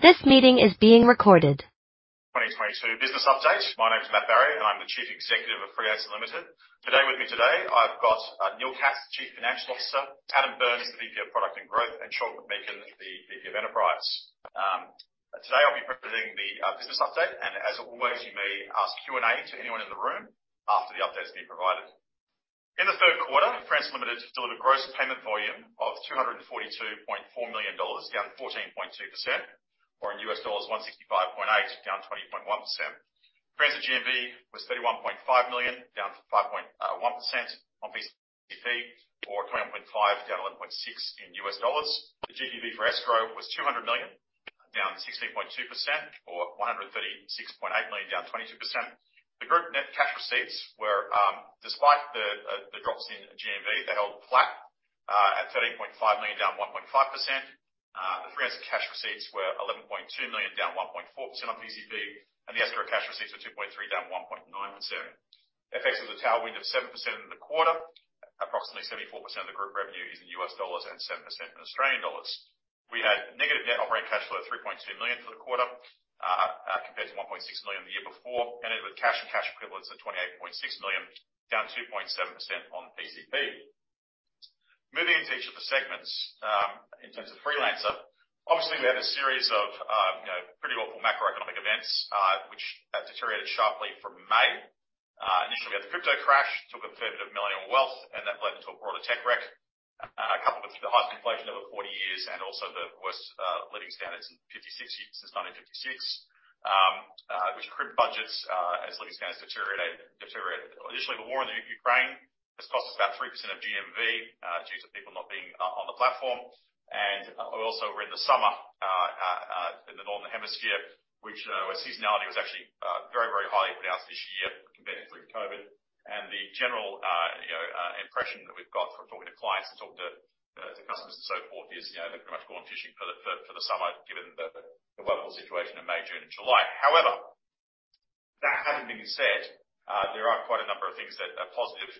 2022 business update. My name is Matt Barrie, and I'm the Chief Executive of Freelancer Limited. Today, with me today, I've got Neil Katz, Chief Financial Officer, Adam Byrnes, the VP of Product and Growth, and Sean McMeekin, the VP of Enterprise. Today I'll be presenting the business update, and as always, you may ask Q&A to anyone in the room after the update's been provided. In the third quarter, Freelancer Limited delivered gross payment volume of 242.4 million dollars, down 14.2%, or in $165.8 million, down 20.1%. Present GMV was 31.5 million, down 5.1% on PCP or $.2.1.5 million, down 11.6%. The GPV for Escrow was 200 million, down 16.2% or 136.8 million, down 22%. The group net cash receipts were, despite the drops in GMV, they held flat, at 13.5 million, down 1.5%. The Freelancer cash receipts were 11.2 million, down 1.4% on PCP, and the Escrow cash receipts were 2.3 million, down 1.9%. FX was a tailwind of 7% in the quarter. Approximately 74% of the group revenue is in U.S. dollars and 7% in Australian dollars. We had negative net operating cash flow of 3.2 million for the quarter, compared to 1.6 million the year before, and ended with cash and cash equivalents of 28.6 million, down 2.7% on PCP. Moving into each of the segments. In terms of Freelancer, obviously, we had a series of, you know, pretty awful macroeconomic events, which deteriorated sharply from May. Initially, we had the crypto crash, took a fair bit of millennial wealth, and that led to a broader tech wreck. Coupled with the highest inflation over 40 years and also the worst living standards in 56 years, since 1956, which crimped budgets, as living standards deteriorated. Additionally, the war in Ukraine has cost us about 3% of GMV due to people not being on the platform. Also we're in the summer in the Northern Hemisphere, which seasonality was actually very highly pronounced this year compared including COVID. The general impression that we've got from talking to clients and talking to customers and so forth is, you know, they've pretty much gone fishing for the summer, given the weather situation in May, June and July. However, that having been said, there are quite a number of things that are positive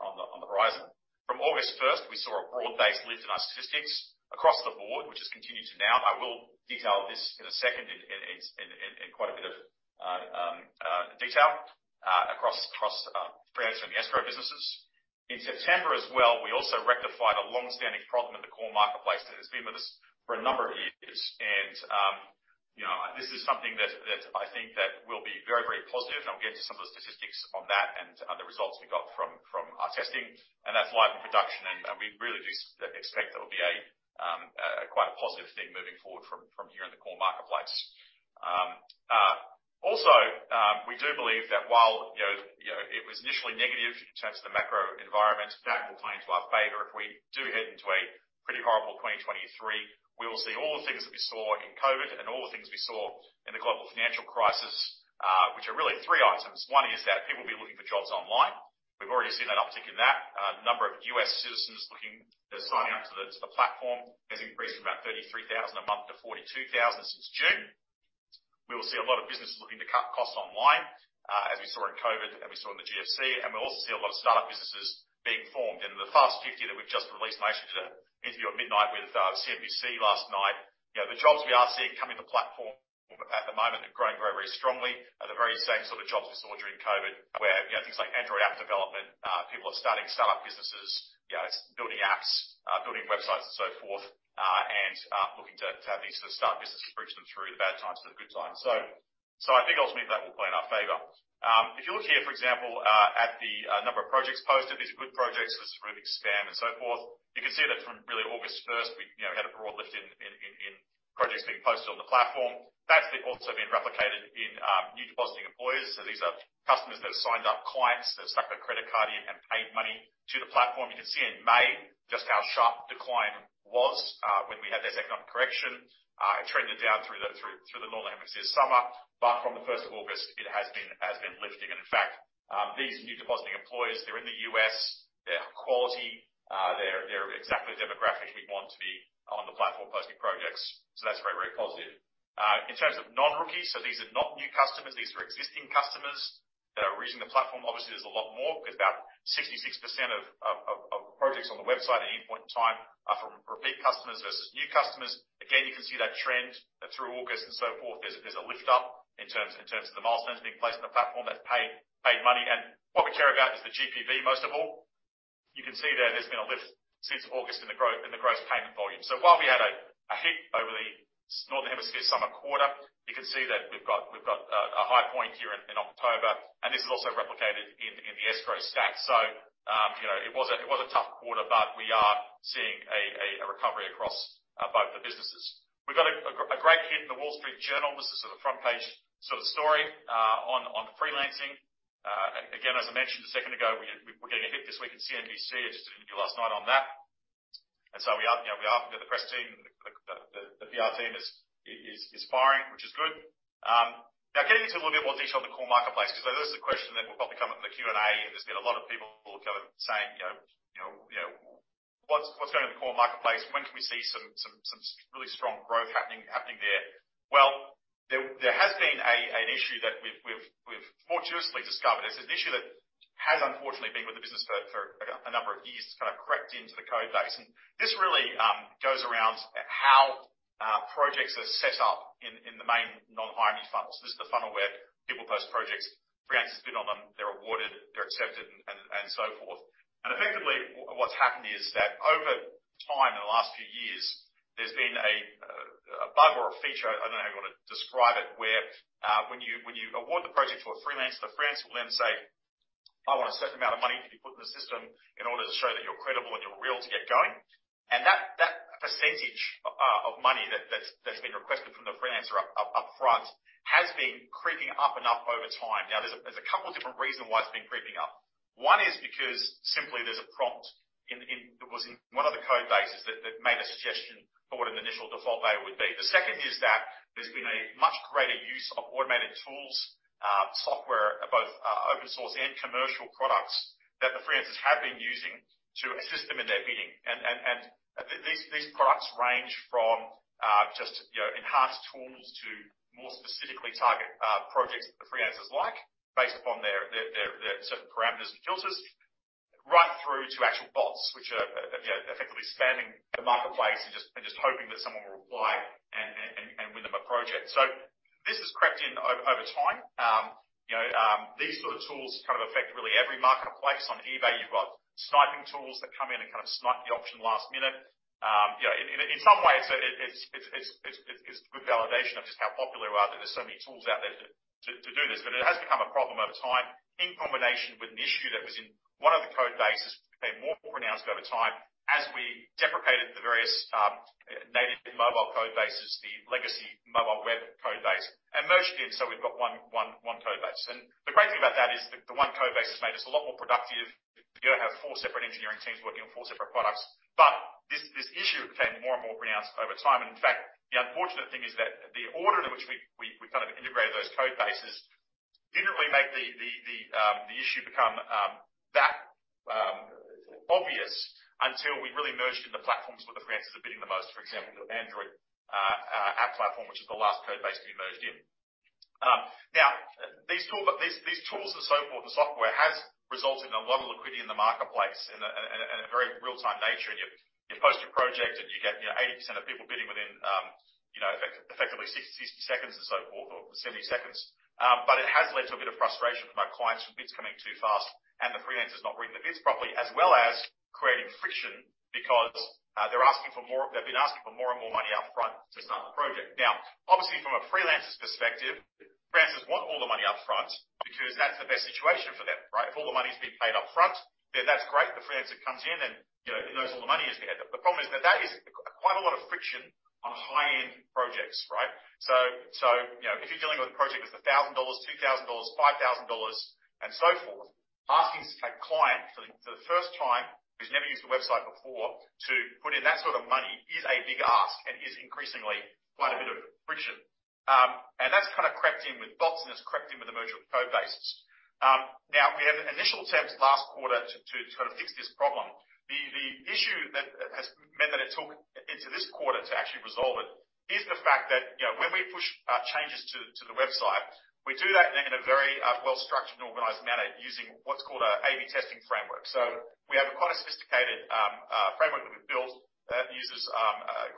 on the horizon. From August first, we saw a broad-based lift in our statistics across the board, which has continued to now. I will detail this in a second in quite a bit of detail across Freelancer and the Escrow businesses. In September as well, we also rectified a long-standing problem in the core marketplace that has been with us for a number of years. You know, this is something that I think will be very positive, and I'll get to some of the statistics on that and the results we got from our testing. That's live in production. We really do expect that it'll be quite a positive thing moving forward from here in the core marketplace. Also, we do believe that while, you know, it was initially negative in terms of the macro environment, that will play into our favor if we do head into a pretty horrible 2023. We will see all the things that we saw in COVID and all the things we saw in the global financial crisis, which are really three items. One is that people will be looking for jobs online. We've already seen an uptick in that. Number of U.S. citizens looking to sign up to the platform has increased from about 33,000 a month to 42,000 since June. We will see a lot of businesses looking to cut costs online, as we saw in COVID and we saw in the GFC. We'll also see a lot of startup businesses being formed. In the Fast 50 that we've just released, and I actually did an interview at midnight with CNBC last night. You know, the jobs we are seeing come in the platform at the moment are growing very, very strongly. Are the very same sort of jobs we saw during COVID, where, you know, things like Android app development, people are starting startup businesses. You know, it's building apps, building websites and so forth, and looking to have these sort of start-up businesses to bridge them through the bad times to the good times. I think ultimately that will play in our favor. If you look here, for example, at the number of projects posted, these are good projects. This is removing spam and so forth. You can see that from really August 1st, we, you know, had a broad lift in projects being posted on the platform. That's also been replicated in new depositing employers. These are customers that have signed up, clients that have stuck their credit card in and paid money to the platform. You can see in May just how sharp decline was when we had this economic correction. It trended down through the Northern Hemisphere summer, but from the 1st of August, it has been lifting. In fact, these new depositing employers, they're in the U.S. They're quality. They're exactly the demographic we'd want to be on the platform posting projects. That's very positive. In terms of non-rookies, these are not new customers. These are existing customers that are using the platform. Obviously, there's a lot more because about 66% of projects on the website at any point in time are from repeat customers versus new customers. Again, you can see that trend through August and so forth. There's a lift up in terms of the milestones being placed on the platform. That's paid money. What we care about is the GPV most of all. You can see there's been a lift since August in the growth, in the gross payment volume. While we had a hit over the Northern Hemisphere summer quarter, you can see that we've got a high point here in October. This is also replicated in the Escrow stack. You know, it was a tough quarter, but we are seeing a recovery across both the businesses. We've got a great hit in The Wall Street Journal. This is a front page sort of story on freelancing. Again, as I mentioned a second ago, we're getting a hit this week at CNBC. I just did an interview last night on that. We are, you know, we are through the press team. The PR team is firing, which is good. Now getting into a little bit more detail on the core marketplace, 'cause I know this is a question that will probably come up in the Q&A, and there's been a lot of people kind of saying, you know, what's going on in the core marketplace. When can we see some really strong growth happening there. There has been an issue that we've fortuitously discovered. It's an issue that has unfortunately been with the business for a number of years. It's kind of crept into the code base, and this really goes around how projects are set up in the main non-hire me funnels. This is the funnel where people post projects, freelancers bid on them, they're awarded, they're accepted and so forth. Effectively, what's happened is that over time, in the last few years, there's been a bug or a feature, I don't know how you want to describe it, where, when you award the project to a freelancer, the freelancer will then say, "I want a certain amount of money to be put in the system in order to show that you're credible and you're real to get going." That percentage of money that's been requested from the freelancer up front has been creeping up and up over time. Now there's a couple different reasons why it's been creeping up. One is because simply there's a prompt in that was in one of the code bases that made a suggestion for what an initial default value would be. The second is that there's been a much greater use of automated tools, software, both open source and commercial products that the freelancers have been using to assist them in their bidding. These products range from just, you know, enhanced tools to more specifically target projects that the freelancers like based upon their certain parameters and filters, right through to actual bots which are, you know, effectively spanning the marketplace and just hoping that someone will reply and win them a project. This has crept in over time. You know, these sort of tools kind of affect really every marketplace. On eBay, you've got sniping tools that come in and kind of snipe the auction last minute. You know, in some ways it's good validation of just how popular we are that there's so many tools out there to do this, but it has become a problem over time in combination with an issue that was in one of the code bases. It became more pronounced over time as we deprecated the various native mobile code bases, the legacy mobile web code base, and merged in, so we've got one code base. The great thing about that is the one code base has made us a lot more productive. We don't have four separate engineering teams working on four separate products. This issue became more and more pronounced over time. In fact, the unfortunate thing is that the order in which we kind of integrated those code bases didn't really make the issue become that obvious until we really merged in the platforms where the freelancers are bidding the most. For example, the Android app platform, which is the last code base to be merged in. Now these tools and so forth, the software has resulted in a lot of liquidity in the marketplace in a very real-time nature. You post your project and you get, you know, 80% of people bidding within, you know, effectively 60 seconds and so forth, or 70 seconds. It has led to a bit of frustration from our clients with bids coming too fast and the freelancers not reading the bids properly, as well as creating friction because they're asking for more. They've been asking for more and more money up front to start the project. Now, obviously from a freelancer's perspective, freelancers want all the money up front because that's the best situation for them, right? If all the money's being paid up front, then that's great. The freelancer comes in and, you know, he knows all the money is there. The problem is that that is quite a lot of friction on high-end projects, right? You know, if you're dealing with a project that's $1,000, $2,000, $5,000, and so forth, asking a client for the first time who's never used the website before to put in that sort of money is a big ask and introduces quite a bit of friction. That's kind of crept in with bots, and it's crept in with the merger of code bases. Now we had initial attempts last quarter to try to fix this problem. The issue that has meant that it took us into this quarter to actually resolve it is the fact that, you know, when we push changes to the website, we do that in a very well-structured and organized manner using what's called A/B testing framework. We have quite a sophisticated framework that we've built that uses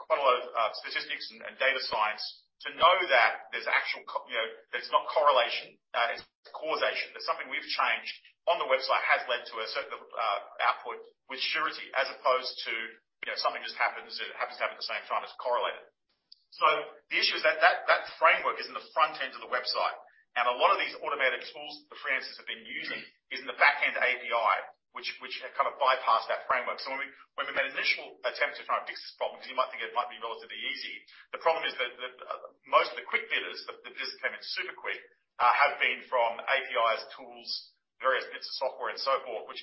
quite a lot of statistics and data science to know that there's actual, you know, there's not correlation, it's causation. There's something we've changed on the website has led to a certain output with surety as opposed to, you know, something just happens. It happens to happen at the same time, it's correlated. The issue is that framework is in the front end of the website, and a lot of these automated tools the freelancers have been using is in the back-end API, which kind of bypass that framework. When we made initial attempts to try and fix this problem, because you might think it might be relatively easy, the problem is that most of the quick bidders, the bidders that came in super quick, have been from APIs, tools, various bits of software and so forth, which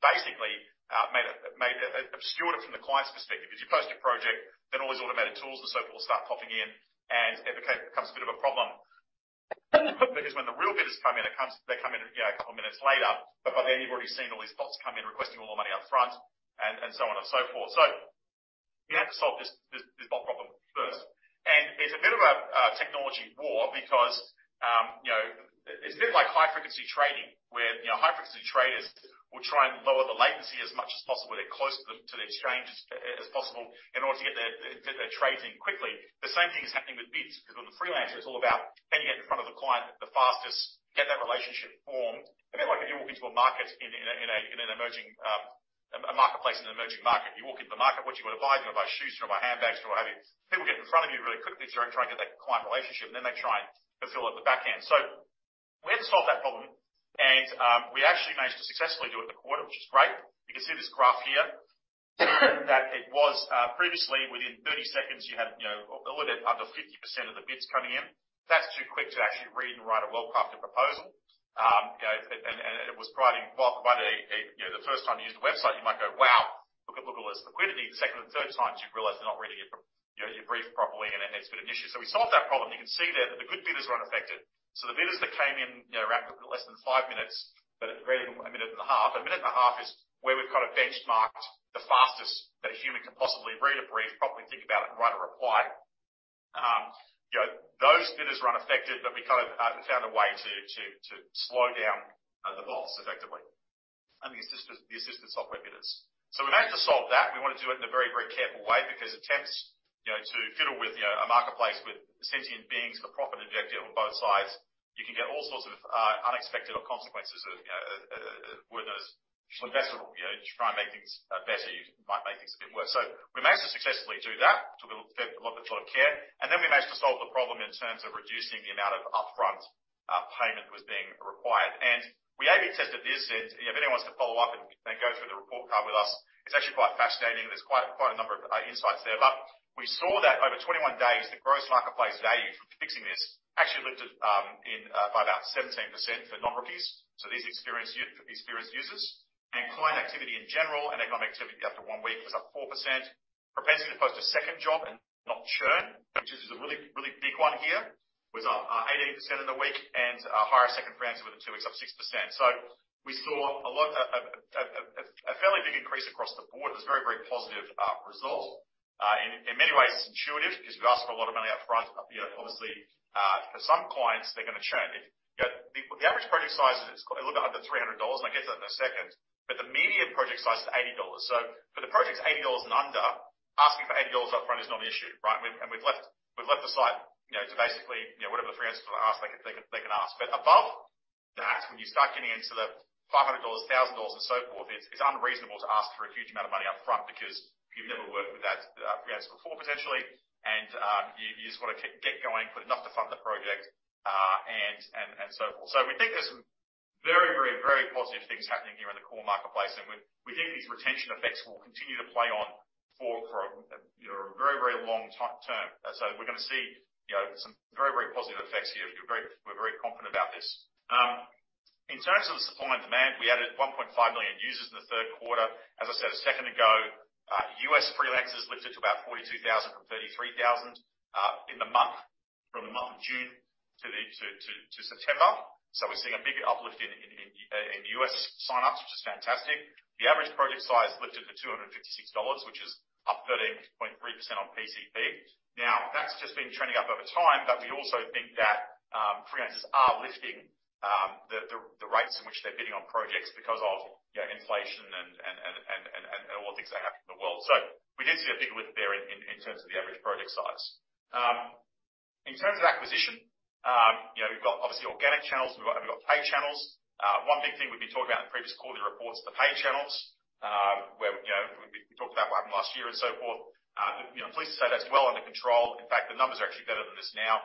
basically obscured it from the client's perspective. If you post your project, then all these automated tools and so forth will start popping in and it becomes a bit of a problem because when the real bidders come in, they come in, you know, a couple of minutes later, but by then you've already seen all these bots come in requesting all the money up front and so on and so forth. We had to solve this bot problem first. It's a bit of a technology war because, you know, it's a bit like high-frequency trading, where, you know, high-frequency traders will try and lower the latency as much as possible. They're close to the exchange as possible in order to get their trades in quickly. The same thing is happening with bids 'cause with the Freelancer, it's all about can you get in front of the client the fastest, get that relationship formed. A bit like if you walk into a market in an emerging marketplace in an emerging market. You walk into the market, what you wanna buy. Do you wanna buy shoes? Do you wanna buy handbags? Do you wanna buy. People get in front of you really quickly to try and get that client relationship, and then they try and fulfill at the back end. We had to solve that problem, and we actually managed to successfully do it in the quarter, which is great. You can see this graph here that it was previously within 30 seconds you had a little bit under 50% of the bids coming in. That's too quick to actually read and write a well-crafted proposal. It was probably quite. The first time you use the website, you might go, "Wow. Look at all this liquidity." The second and third times, you realize they're not reading it, your brief properly, and it's a bit of an issue. We solved that problem. You can see there that the good bidders were unaffected. The bidders that came in, you know, less than 5 minutes, but it read a minute and a half. A minute and a half is where we've kind of benchmarked the fastest that a human can possibly read a brief, properly think about it, and write a reply. You know, those bidders were unaffected, but we kind of found a way to slow down the bots effectively. The assistant software bidders. We managed to solve that. We wanna do it in a very, very careful way because attempts, you know, to fiddle with, you know, a marketplace with sentient beings with a profit objective on both sides, you can get all sorts of unexpected consequences, you know, where you try and make things better, you might make things a bit worse. We managed to successfully do that. Took a lot of care, and then we managed to solve the problem in terms of reducing the amount of upfront payment was being required. We A/B tested this. You know, if anyone wants to follow up and go through the report with us, it's actually quite fascinating. There's quite a number of insights there. We saw that over 21 days, the gross marketplace value from fixing this actually lifted by about 17% for non-rookies, so these experienced users. Client activity in general and economic activity after one week was up 4%. Propensity to post a second job and not churn, which is a really big one here, was up 18% in the week. Hire a second freelancer within two weeks, up 6%. We saw a fairly big increase across the board. It was a very positive result. In many ways it's intuitive because we ask for a lot of money up front. You know, obviously, for some clients, they're gonna churn. If you know, the average project size is a little under 300 dollars, and I'll get to that in a second, but the median project size is 80 dollars. For the projects 80 dollars and under, asking for 80 dollars up front is not an issue, right? We've left the site, you know, to basically, you know, whatever the freelancers wanna ask, they can ask. But above that, when you start getting into the 500 dollars, 1,000 dollars and so forth, it's unreasonable to ask for a huge amount of money up front because you've never worked with that freelancer before, potentially. You just wanna get going, put enough to fund the project and so forth. We think there's some very positive things happening here in the core marketplace, and we think these retention effects will continue to play on for, you know, a very long term. We're gonna see, you know, some very positive effects here. We're very confident about this. In terms of the supply and demand, we added 1.5 million users in the third quarter. As I said a second ago, U.S. Freelancers lifted to about 42,000 from 33,000, in the month, from the month of June to September. We're seeing a big uplift in U.S. sign-ups, which is fantastic. The average project size lifted to $256, which is up 13.3% on PCP. Now, that's just been trending up over time, but we also think that freelancers are lifting the rates in which they're bidding on projects because of, you know, inflation and all the things that are happening in the world. We did see a big lift there in terms of the average project size. In terms of acquisition, you know, we've got obviously organic channels. We've got paid channels. One big thing we've been talking about in the previous quarterly reports is the paid channels, where, you know, we talked about what happened last year and so forth. You know, I'm pleased to say that's well under control. In fact, the numbers are actually better than this now.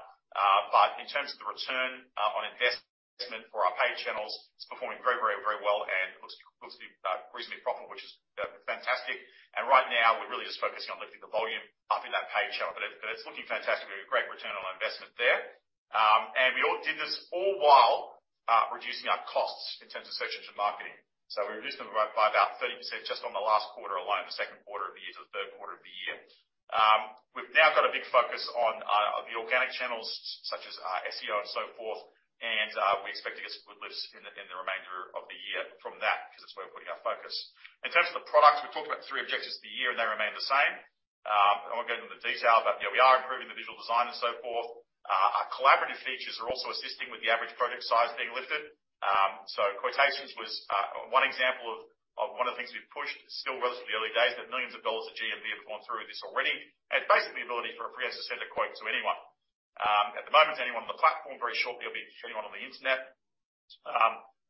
In terms of the return on investment for our paid channels, it's performing very well and looks to be reasonably profitable, which is fantastic. Right now we're really just focusing on lifting the volume up in that paid channel. It's looking fantastic. We have a great return on investment there. We did this all while reducing our costs in terms of search engine marketing. We reduced them by about 30% just on the last quarter alone, the second quarter of the year to the third quarter of the year. We've now got a big focus on the organic channels such as SEO and so forth. We expect to get some good lifts in the remainder of the year from that, 'cause it's where we're putting our focus. In terms of the product, we talked about three objectives of the year, and they remain the same. I won't go into the detail, but, you know, we are improving the visual design and so forth. Our collaborative features are also assisting with the average project size being lifted. Quotations was one example of one of the things we've pushed. Still relatively early days, but a millions of dollars of GMV have gone through this already. It's basically the ability for a freelancer to send a quote to anyone. At the moment, anyone on the platform. Very shortly it'll be anyone on the internet.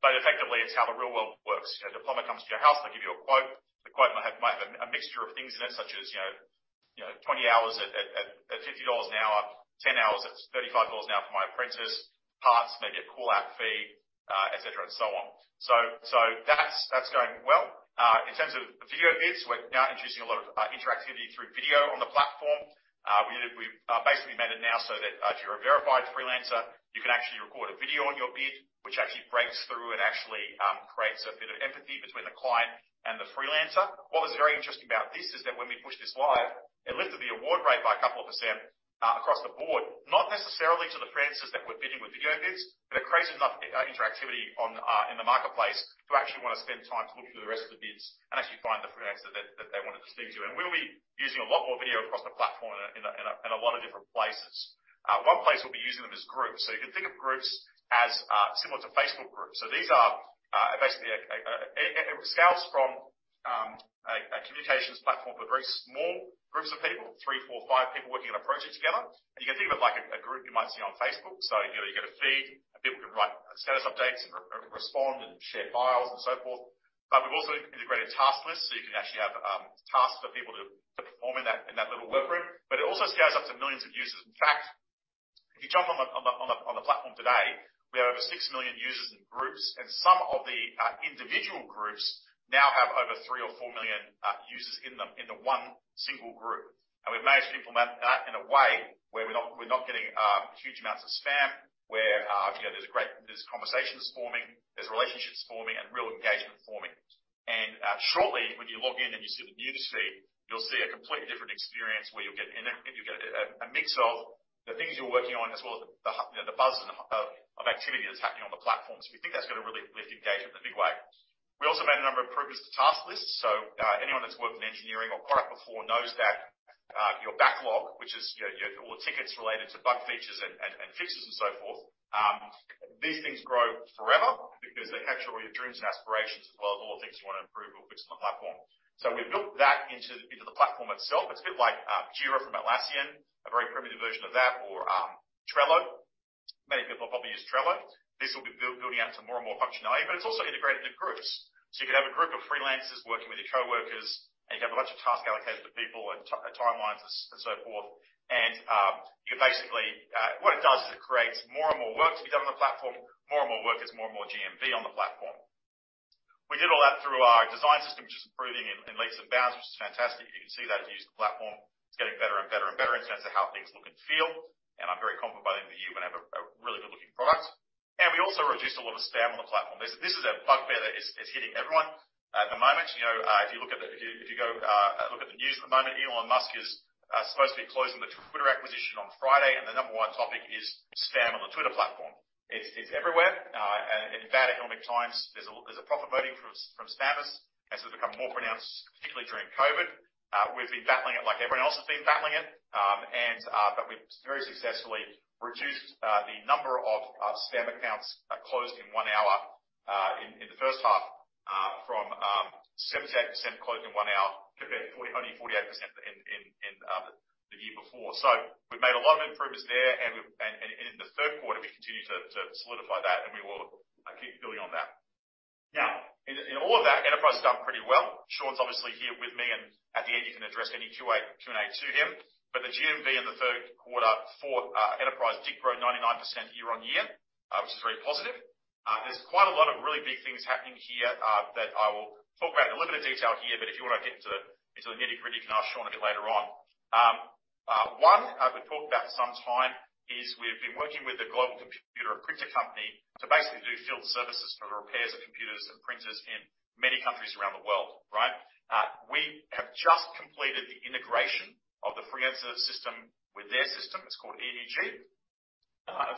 Effectively it's how the real world works. You know, a plumber comes to your house, they give you a quote. The quote may have a mixture of things in it, such as, you know, 20 hours at $50 an hour, 10 hours at $35 an hour for my apprentice, parts, maybe a call out fee, et cetera and so on. That's going well. In terms of video bids, we're now introducing a lot of interactivity through video on the platform. We've basically made it now so that if you're a verified freelancer, you can actually record a video on your bid, which actually breaks through and actually creates a bit of empathy between the client and the freelancer. What was very interesting about this is that when we pushed this live, it lifted the award rate by a couple of percent across the board, not necessarily to the freelancers that were bidding with video bids, but it creates enough interactivity in the marketplace to actually wanna spend time to look through the rest of the bids and actually find the freelancer that they wanna proceed to. We'll be using a lot more video across the platform in a lot of different places. One place we'll be using them is groups. So you can think of groups as similar to Facebook groups. So these are basically a. It scales from a communications platform for very small groups of people, three, four, five people working on a project together. You can think of it like a group you might see on Facebook. You know, you get a feed, and people can write status updates and respond and share files and so forth. We've also integrated task lists, so you can actually have tasks for people to perform in that little workroom. It also scales up to millions of users. In fact, if you jump on the platform today, we have over 6 million users in groups, and some of the individual groups now have over 3 million or 4 million users in them, in the one single group. We've managed to implement that in a way where we're not getting huge amounts of spam, where you know, there's great. There's conversations forming, there's relationships forming and real engagement forming. Shortly when you log in and you see the newsfeed, you'll see a completely different experience where you'll get a mix of the things you're working on, as well as the, you know, the buzz and the hum of activity that's happening on the platform. We think that's gonna really lift engagement in a big way. We also made a number of improvements to task lists. Anyone that's worked in engineering or product before knows that your backlog, which is, you know, all the tickets related to bug features and fixes and so forth, these things grow forever because they capture all your dreams and aspirations as well as all the things you wanna improve or fix on the platform. We've built that into the platform itself. It's a bit like Jira from Atlassian, a very primitive version of that, or Trello. Many people have probably used Trello. This will be building out to more and more functionality. It's also integrated into groups. You could have a group of freelancers working with your trade workers, and you have a bunch of tasks allocated to people and timelines and so forth. You basically what it does is it creates more and more work to be done on the platform. More and more work is more and more GMV on the platform. We did all that through our design system, which is improving in leaps and bounds, which is fantastic. You can see that as you use the platform. It's getting better and better and better in terms of how things look and feel, and I'm very confident by the end of the year, we're gonna have a really good-looking product. We also reduced a lot of spam on the platform. This is a bugbear that is hitting everyone at the moment. You know, if you look at the news at the moment, Elon Musk is supposed to be closing the Twitter acquisition on Friday, and the number one topic is spam on the Twitter platform. It's everywhere. In bad economic times, there's a profit motive from spammers, and so they become more pronounced, particularly during COVID. We've been battling it like everyone else has been battling it. We've very successfully reduced the number of spam accounts closed in one hour in the first half from 78% closed in one hour compared to only 48% in the year before. We've made a lot of improvements there, and in the third quarter, we continue to solidify that, and we will keep building on that. In all of that, enterprise has done pretty well. Sean's obviously here with me, and at the end, you can address any Q&A to him. The GMV in the third quarter for enterprise did grow 99% year-on-year, which is very positive. There's quite a lot of really big things happening here that I will talk about in a little bit of detail here. If you wanna get into the nitty-gritty, you can ask Sean a bit later on. One we talked about some time is we've been working with a global computer and printer company to basically do field services for the repairs of computers and printers in many countries around the world, right? We have just completed the integration of the Freelancer system with their system. It's called EDG.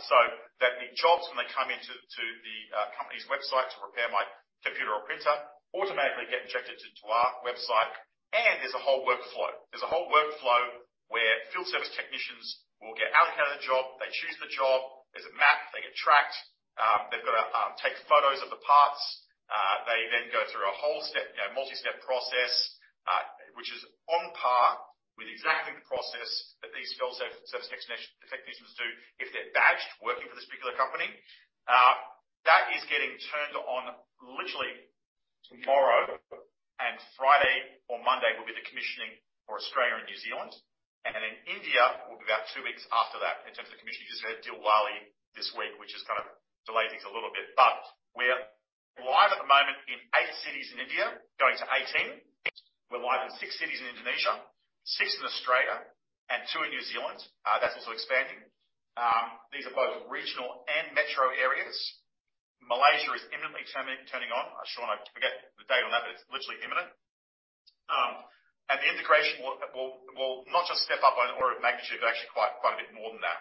So that the jobs, when they come into the company's website to repair my computer or printer, automatically get injected to our website. There's a whole workflow where field service technicians will get allocated a job. They choose the job. There's a map. They get tracked. They've gotta take photos of the parts. They then go through a whole step, you know, multi-step process, which is on par with exactly the process that these field service technicians do if they're badged working for this particular company. That is getting turned on literally tomorrow, and Friday or Monday will be the commissioning for Australia and New Zealand. Then India will be about two weeks after that in terms of the commissioning. You just had Diwali this week, which has kind of delayed things a little bit. We're live at the moment in eight cities in India, going to 18. We're live in six cities in Indonesia, six in Australia, and two in New Zealand. That's also expanding. These are both regional and metro areas. Malaysia is imminently turning on. Sean, I forget the date on that, but it's literally imminent. The integration will not just step up by an order of magnitude, but actually quite a bit more than that.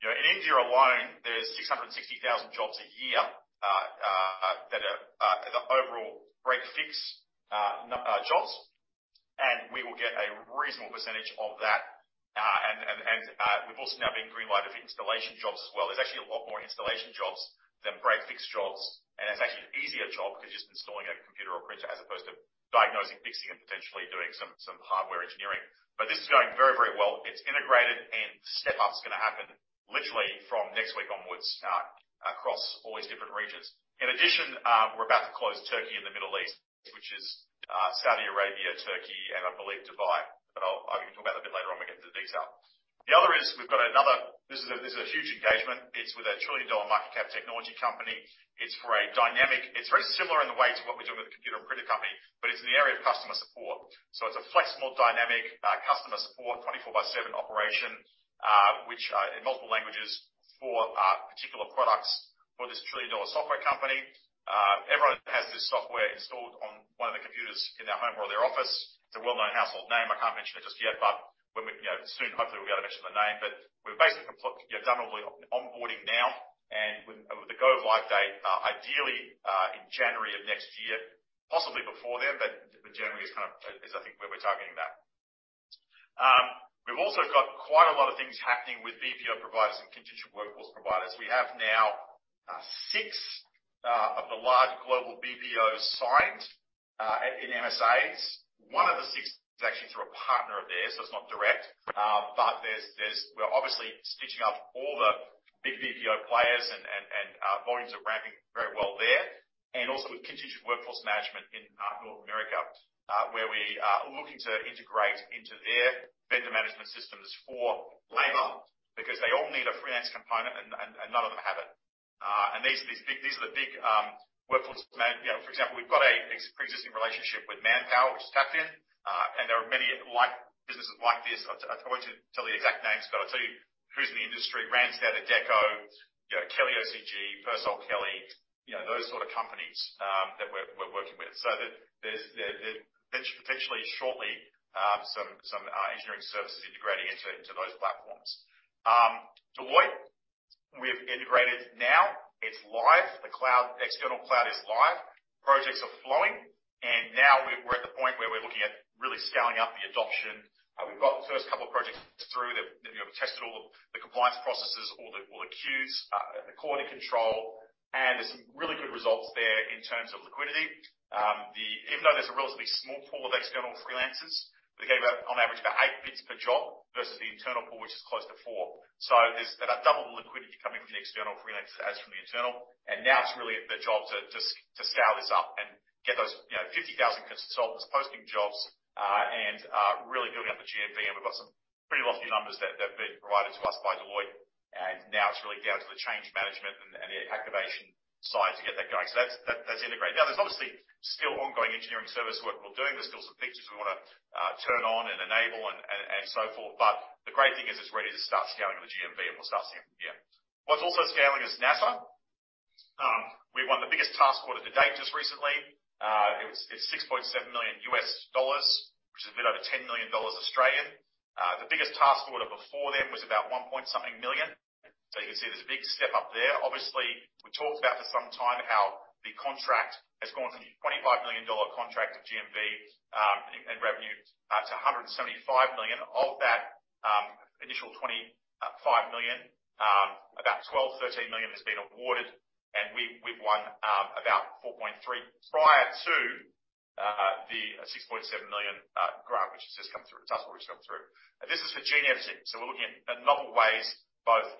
You know, in India alone, there's 660,000 jobs a year that are the overall break/fix jobs. We will get a reasonable percentage of that. We've also now been green-lighted for installation jobs as well. There's actually a lot more installation jobs than break/fix jobs, and it's actually an easier job 'cause you're just installing a computer or printer as opposed to diagnosing, fixing, and potentially doing some hardware engineering. This is going very well. It's integrated, and step-up's gonna happen literally from next week onwards across all these different regions. In addition, we're about to close Turkey and the Middle East, which is Saudi Arabia, Turkey, and I believe Dubai. I'll even talk about that a bit later on when we get into the detail. We've got a huge engagement. It's with a trillion-dollar market cap technology company. It's very similar in the way to what we're doing with the computer and printer company, but it's in the area of customer support. It's a flexible, dynamic customer support, 24/7 operation, which in multiple languages for particular products for this trillion-dollar software company. Everyone has this software installed on one of the computers in their home or their office. It's a well-known household name. I can't mention it just yet, but when we soon, hopefully, we'll be able to mention the name. We're basically done all the onboarding now and with the go-live date, ideally, in January of next year, possibly before then. January is kind of, I think, where we're targeting that. We've also got quite a lot of things happening with BPO providers and contingent workforce providers. We have now six of the large global BPOs signed in MSAs. One of the six is actually through a partner of theirs, so it's not direct. We're obviously stitching up all the big BPO players and volumes are ramping very well there. Also with contingent workforce management in North America, where we are looking to integrate into their vendor management systems for labor,, because they all need a freelance component and none of them have it. These are the big workforce. You know, for example, we've got a existing relationship with Manpower, which is tapped in. There are many businesses like this. I won't tell you the exact names, but I'll tell you who's in the industry. Randstad, Adecco, you know, KellyOCG, PERSOLKELLY. You know, those sort of companies that we're working with. There's potentially shortly some engineering services integrating into those platforms. Deloitte. We have integrated now. It's live. The cloud, external cloud is live. Projects are flowing. We're at the point where we're looking at really scaling up the adoption. We've got the first couple of projects through that that you know tested all the compliance processes, all the queues, the quality control, and there's some really good results there in terms of liquidity. Even though there's a relatively small pool of external freelancers, they gave out on average about eight bids per job versus the internal pool, which is close to four. There's about double the liquidity coming from the external freelancers as from the internal. Now it's really the job to just to scale this up and get those you know 50,000 consultants posting jobs and really building up the GMV. We've got some pretty lofty numbers that have been provided to us by Deloitte. Now it's really down to the change management and the activation side to get that going. That's integrated. Now there's obviously still ongoing engineering service work we're doing. There's still some features we wanna turn on and enable and so forth. But the great thing is it's ready to start scaling the GMV, and we'll start seeing. Yeah. What's also scaling is NASA. We won the biggest task order to date just recently. It's $6.7 million, which is a bit over 10 million Australian dollars. The biggest task order before them was about one point something million. You can see there's a big step up there. Obviously, we talked about for some time how the contract has gone from a $25 million contract of GMV in revenue to $175 million. Of that initial $25 million, about $12 million-$13 million has been awarded. We've won about $4.3 million prior to the $6.7 million grant, which has just come through. Task order that's just come through. This is for gene editing. We're looking at novel ways, both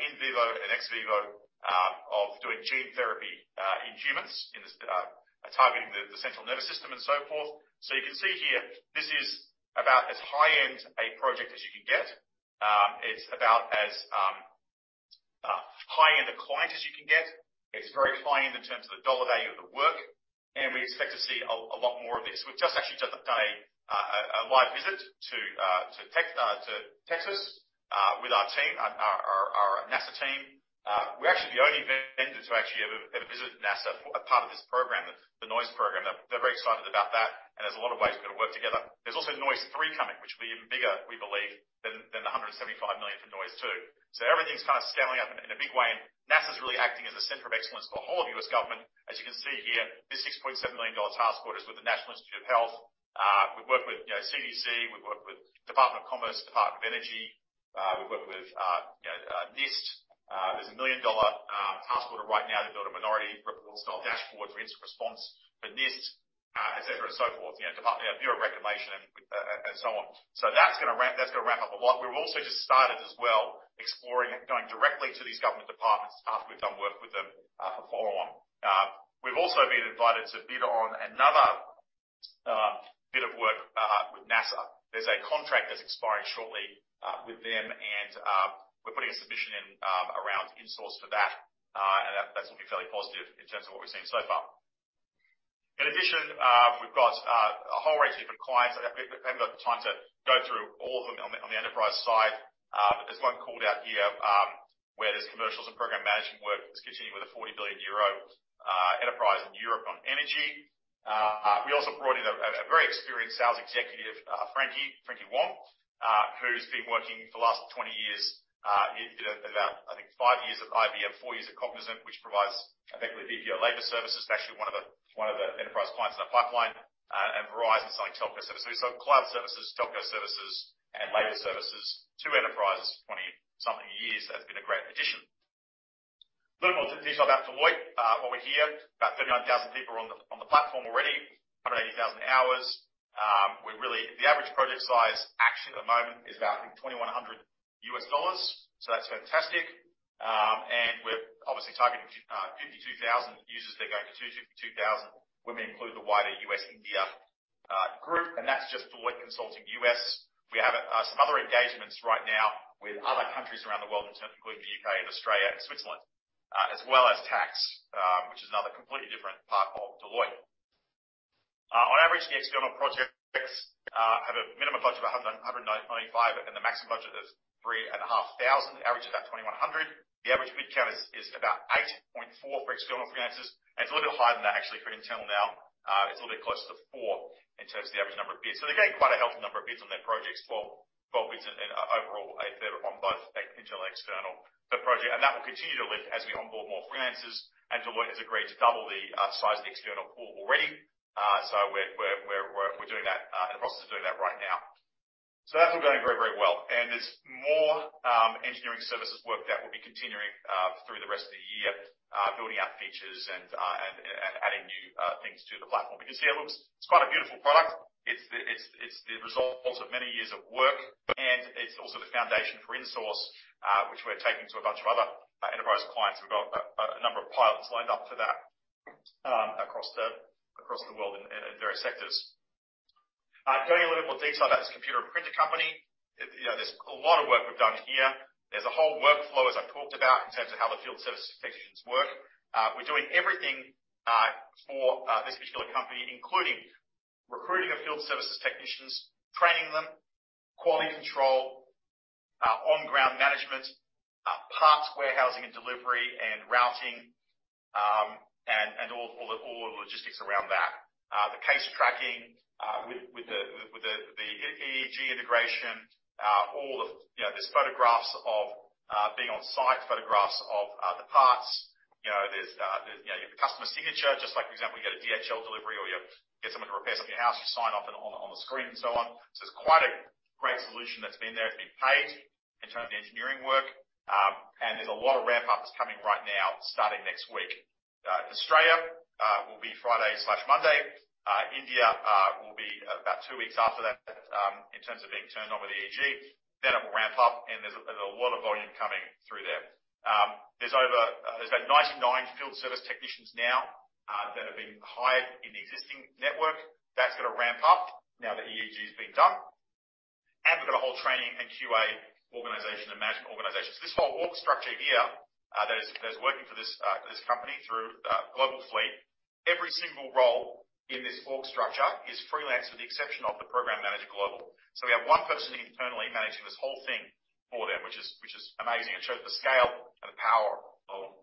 in vivo and ex vivo, of doing gene therapy in humans, targeting the central nervous system and so forth. You can see here, this is about as high-end a project as you can get. It's about as high-end a client as you can get. It's very high-end in terms of the dollar value of the work, and we expect to see a lot more of this. We've just actually done a live visit to Texas with our NASA team. We're actually the only vendor to actually ever visit NASA for a part of this program, the NOIS program. They're very excited about that, and there's a lot of ways we're gonna work together. There's also NOIS three coming, which will be even bigger, we believe, than the $175 million for NOIS two. Everything's kind of scaling up in a big way. NASA's really acting as a center of excellence for the whole of U.S. government. As you can see here, this $6.7 million task order is with the National Institutes of Health. We've worked with, you know, CDC. We've worked with Department of Commerce, Department of Energy. We've worked with, you know, NIST. There's a $1 million task order right now to build a Minority Report-style dashboard for instant response for NIST, et cetera, and so forth. You know, Bureau of Reclamation and so on. That's gonna wrap. That's gonna ramp up a lot. We've also just started as well exploring going directly to these government departments after we've done work with them for follow-on. We've also been invited to bid on another bit of work with NASA. There's a contract that's expiring shortly with them, and we're putting a submission in around InSource for that. That's looking fairly positive in terms of what we've seen so far. In addition, we've got a whole range of different clients. I haven't got the time to go through all of them on the enterprise side. There's one called out here where there's commercials and program management work that's continuing with a 40 billion euro enterprise in Europe on energy. We also brought in a very experienced sales executive, Frankie Wong, who's been working for the last 20 years at about, I think, five years at IBM, four years at Cognizant, which provides effectively BPO labor services. It's actually one of the enterprise clients in our pipeline, and Verizon selling telco services. Cloud services, telco services, and labor services to enterprise 20-something years has been a great addition. A little more traditional about Deloitte, what we hear, about 39,000 people on the platform already, 180,000 hours. The average project size actually at the moment is about, I think, $2,100. That's fantastic. We're obviously targeting 52,000 users. They're going to 252,000 when we include the wider U.S.-India group, and that's just Deloitte Consulting U.S. We have some other engagements right now with other countries around the world, in terms including the U.K., Australia, and Switzerland, as well as tax, which is another completely different part of Deloitte. On average, the external projects have a minimum budget of 195, and the maximum budget is 3,500, average about 2,100. The average bid count is about 8.4 for external freelancers, and it's a little bit higher than that actually for internal now. It's a little bit closer to four in terms of the average number of bids. They're getting quite a healthy number of bids on their projects. Well, 12 bids in overall on both internal and external for project. That will continue to lift as we onboard more freelancers. Deloitte has agreed to double the size of the external pool already. We're doing that in the process of doing that right now. That's all going very, very well. There's more engineering services work that we'll be continuing through the rest of the year, building out features and adding new things to the platform. You can see it looks. It's quite a beautiful product. It's the result of many years of work, and it's also the foundation for InSource, which we're taking to a bunch of other enterprise clients. We've got a number of pilots lined up for that, across the world in various sectors. Going into a little more detail about this computer and printer company. You know, there's a lot of work we've done here. There's a whole workflow, as I talked about, in terms of how the field service technicians work. We're doing everything for this particular company, including recruiting of field services technicians, training them, quality control, on-ground management, parts warehousing and delivery, and routing. All the logistics around that. The case tracking with the EAG integration, all the. You know, there's photographs of being on site, photographs of the parts. You know, there's you know, you have the customer signature, just like, for example, you get a DHL delivery or you get someone to repair something in your house, you sign off on the screen and so on. It's quite a great solution that's been there. It's been paid in terms of the engineering work, and there's a lot of ramp up that's coming right now, starting next week. Australia will be Friday/Monday. India will be about two weeks after that, in terms of being turned on with EAG. It will ramp up, and there's a lot of volume coming through there. There's about 99 field service technicians now that have been hired in the existing network. That's gonna ramp up now that EAG has been done. We've got a whole training and QA organization and management organization. This whole org structure here that is working for this company through Global Fleet. Every single role in this org structure is freelance with the exception of the program manager global. We have one person internally managing this whole thing for them, which is amazing. It shows the scale and the power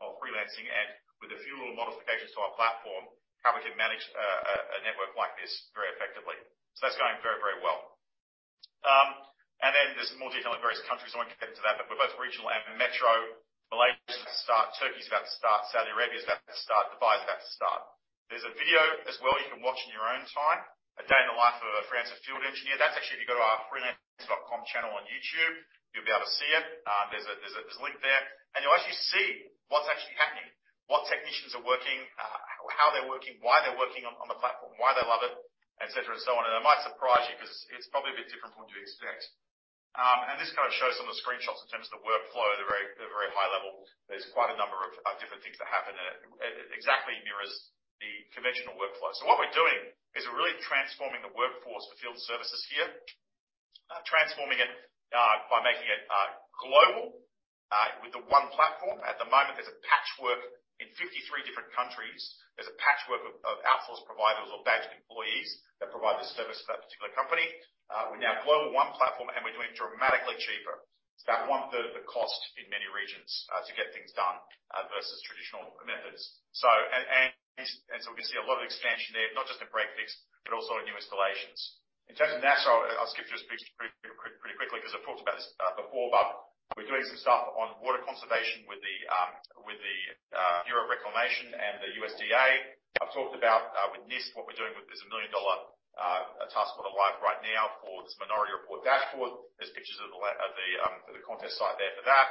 of freelancing, and with a few little modifications to our platform, how we can manage a network like this very effectively. That's going very well. There's more detail in various countries. I won't get into that, but we're both regional and metro. Malaysia's about to start. Turkey's about to start. Saudi Arabia's about to start. Dubai's about to start. There's a video as well you can watch in your own time, A Day in the Life of a Freelancer Field Engineer. That's actually if you go to our Freelancer.com channel on YouTube, you'll be able to see it. There's a link there, and you'll actually see what's actually happening, what technicians are working, how they're working, why they're working on the platform, why they love it, et cetera, and so on. It might surprise you 'cause it's probably a bit different from what you expect. This kinda shows some of the screenshots in terms of the workflow. They're very high level. There's quite a number of different things that happen, and it exactly mirrors the conventional workflow. What we're doing is we're really transforming the workforce for field services here, transforming it by making it global with the one platform. At the moment, there's a patchwork in 53 different countries. There's a patchwork of outsource providers or badged employees that provide this service for that particular company. We're now global, one platform, and we're doing it dramatically cheaper. It's about one-third of the cost in many regions to get things done versus traditional methods. We can see a lot of expansion there, not just in break-fix, but also in new installations. In terms of NASA, I'll skip through this pretty quickly 'cause I've talked about this before, but we're doing some stuff on water conservation with the Bureau of Reclamation and the USDA. I've talked about with NIST, what we're doing with this is a $1 million task order live right now for this minority report dashboard. There's pictures of the contest site there for that.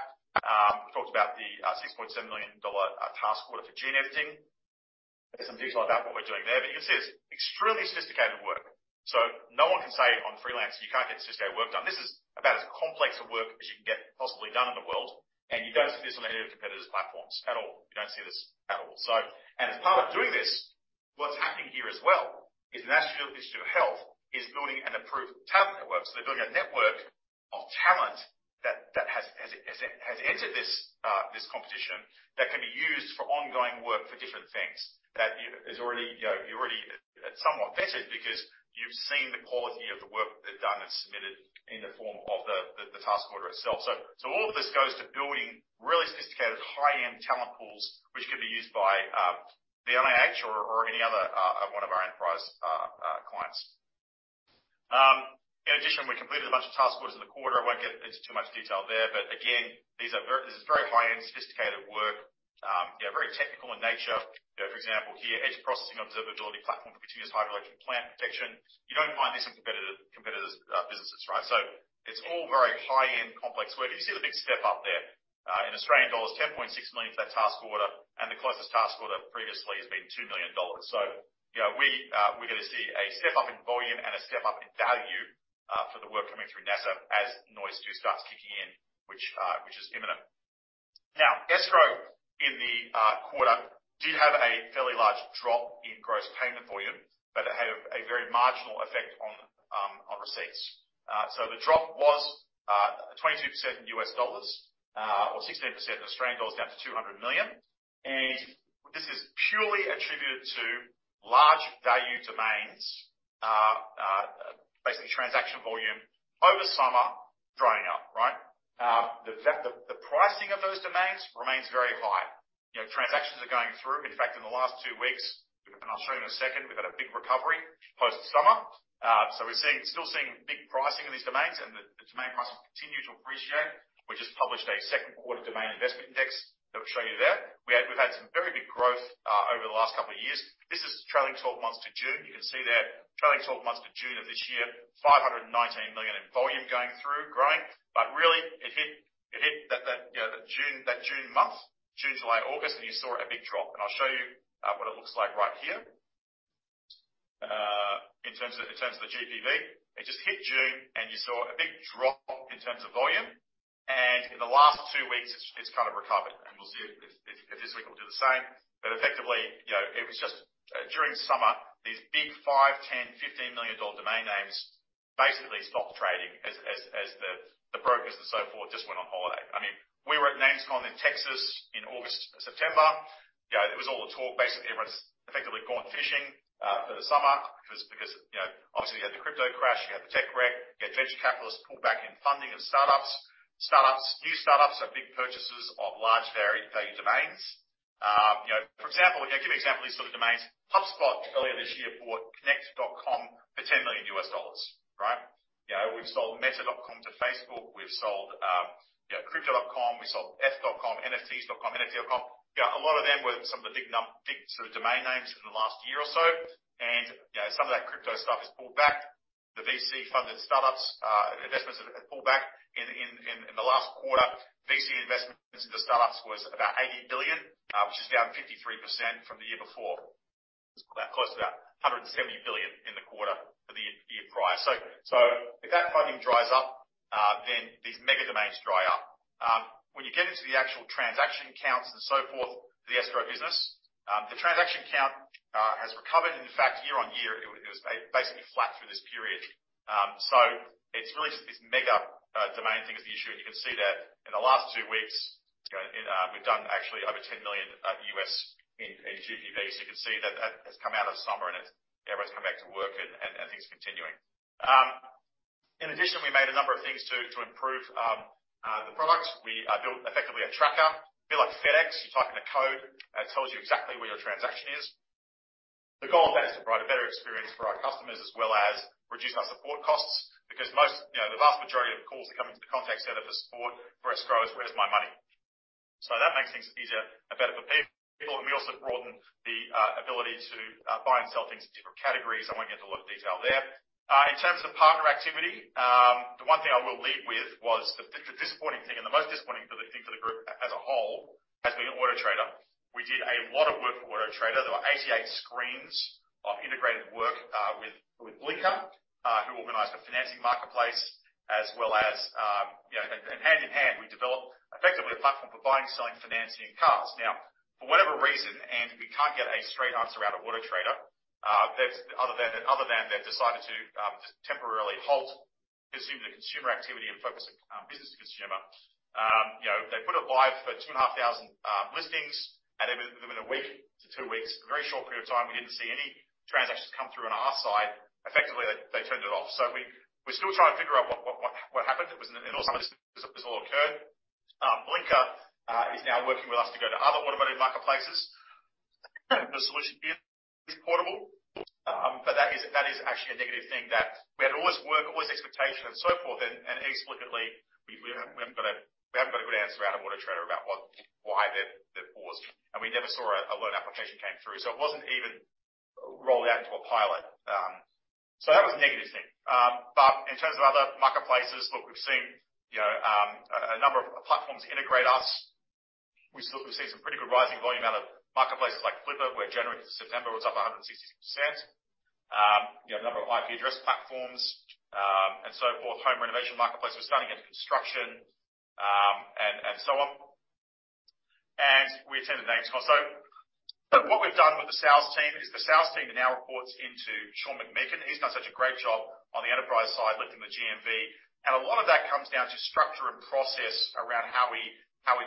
We talked about the $6.7 million task order for gene editing. There's some details about what we're doing there, but you can see it's extremely sophisticated work. No one can say on Freelancer, you can't get sophisticated work done. This is about as complex of work as you can get possibly done in the world, and you don't see this on any of the competitors' platforms at all. You don't see this at all. As part of doing this, what's happening here as well is the National Institutes of Health is building an approved talent network. They're building a network of talent that has entered this competition that can be used for ongoing work for different things that is already, you know, you're already somewhat vetted because you've seen the quality of the work they've done that's submitted in the form of the task order itself. All of this goes to building really sophisticated high-end talent pools, which can be used by the NIH or any other one of our enterprise clients. In addition, we completed a bunch of task orders in the quarter. I won't get into too much detail there, but again, this is very high-end, sophisticated work. You know, very technical in nature. You know, for example, here, edge processing observability platform for continuous hydroelectric plant protection. You don't find this in competitors' businesses, right? It's all very high-end, complex work. You see the big step up there in Australian dollars, 10.6 million for that task order, and the closest task order previously has been 2 million dollars. You know, we're gonna see a step up in volume and a step up in value for the work coming through NASA as NOIS II starts kicking in, which is imminent. Now, Escrow in the quarter did have a fairly large drop in gross payment volume, but it had a very marginal effect on receipts. The drop was 22% in U.S. dollars or 16% in Australian dollars, down to $200 million. This is purely attributed to large value domains, basically transaction volume over summer drying up, right? The pricing of those domains remains very high. You know, transactions are going through. In fact, in the last two weeks, and I'll show you in a second, we've had a big recovery post summer. We're seeing, still seeing big pricing in these domains, and the domain prices continue to appreciate. We just published a second quarter Domain Investment Index that we'll show you there. We've had some very big growth over the last couple of years. This is trailing 12 months to June. You can see there, trailing 12 months to June of this year, 519 million in volume going through, growing. But really it hit that, you know, that June month, June, July, August, and you saw a big drop. I'll show you what it looks like right here in terms of the GPV. It just hit June, and you saw a big drop in terms of volume. In the last two weeks it's kind of recovered, and we'll see if this week it'll do the same. Effectively, you know, it was just during summer, these big $5 million, $10 million, $15 million domain names basically stopped trading as the brokers and so forth just went on holiday. I mean, we were at NamesCon in Texas in August, September. You know, it was all the talk. Basically, everyone's effectively gone fishing for the summer because, you know, obviously you had the crypto crash, you had the tech wreck, you had venture capitalists pull back in funding of startups. Startups, new startups are big purchasers of large value domains. You know, for example, I'll give you an example of these sort of domains. HubSpot earlier this year bought Connect.com for $10 million, right. You know, we've sold Meta.com to Facebook. We've sold, you know, Crypto.com. We sold ETH.com, NFTs.com, NFT.com. You know, a lot of them were some of the big sort of domain names from the last year or so. You know, some of that crypto stuff has pulled back. The VC-funded startups investments have pulled back. In the last quarter, VC investments into startups was about $80 billion, which is down 53% from the year before. It was about, close to about $170 billion in the quarter for the year prior. So if that funding dries up, then these mega domains dry up. When you get into the actual transaction counts and so forth, the escrow business, the transaction count has recovered. In fact, year-on-year, it was basically flat through this period. It's really just these mega domain things, the issue. You can see that in the last two weeks, you know, and we've done actually over $10 million in GBP. You can see that has come out of summer, and everybody's come back to work and things continuing. In addition, we made a number of things to improve the product. We built effectively a tracker. A bit like FedEx, you type in a code, and it tells you exactly where your transaction is. The goal of that is to provide a better experience for our customers as well as reduce our support costs. Because most, you know, the vast majority of calls that come into the contact center for support for escrow is, "Where's my money?" That makes things easier and better for people. We also broadened the ability to buy and sell things in different categories. I won't get into a lot of detail there. In terms of partner activity, the one thing I will lead with was the disappointing thing and the most disappointing for the group as a whole has been Autotrader. We did a lot of work for Autotrader. There were 88 screens of integrated work with Blinker, who organized the financing marketplace as well as, you know, hand in hand, we developed effectively a platform for buying, selling, financing cars. Now, for whatever reason, and we can't get a straight answer out of Autotrader, other than they've decided to temporarily halt consumer to consumer activity and focus on business to consumer. You know, they put it live for 2,500 listings. Even within a week to two weeks, a very short period of time, we didn't see any transactions come through on our side. Effectively, they turned it off. We're still trying to figure out what happened. It was in the middle of summer this all occurred. Blinker is now working with us to go to other automotive marketplaces. The solution is portable. That is actually a negative thing that we had all this work, all this expectation and so forth. Explicitly, we haven't got a good answer out of Autotrader about why they've paused. We never saw a loan application came through. It wasn't even rolled out to a pilot. That was a negative thing. In terms of other marketplaces, look, we've seen, you know, a number of platforms integrate us. We've seen some pretty good rising volume out of marketplaces like Flippa, where January to September was up 166%. You have a number of IP address platforms, and so forth. Home renovation marketplace was starting into construction, and so on. We attended next call. What we've done with the sales team is the sales team now reports into Sean McMeekin, who's done such a great job on the enterprise side, lifting the GMV. A lot of that comes down to structure and process around how we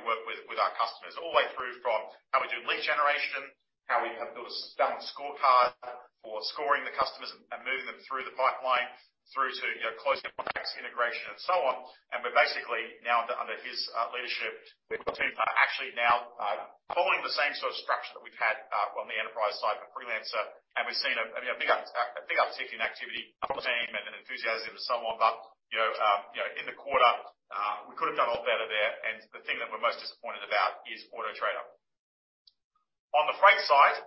work with our customers. All the way through from how we do lead generation, how we have built a stunt scorecard for scoring the customers and moving them through the pipeline. Through to, you know, closing contracts, integration and so on. We're basically now under his leadership. We're looking to actually now following the same sort of structure that we've had on the enterprise side for Freelancer. We've seen, I mean, a big uptick in activity on the team and an enthusiasm for and so on. You know, in the quarter, we could have done a lot better there. The thing that we're most disappointed about is Autotrader. On the freight side,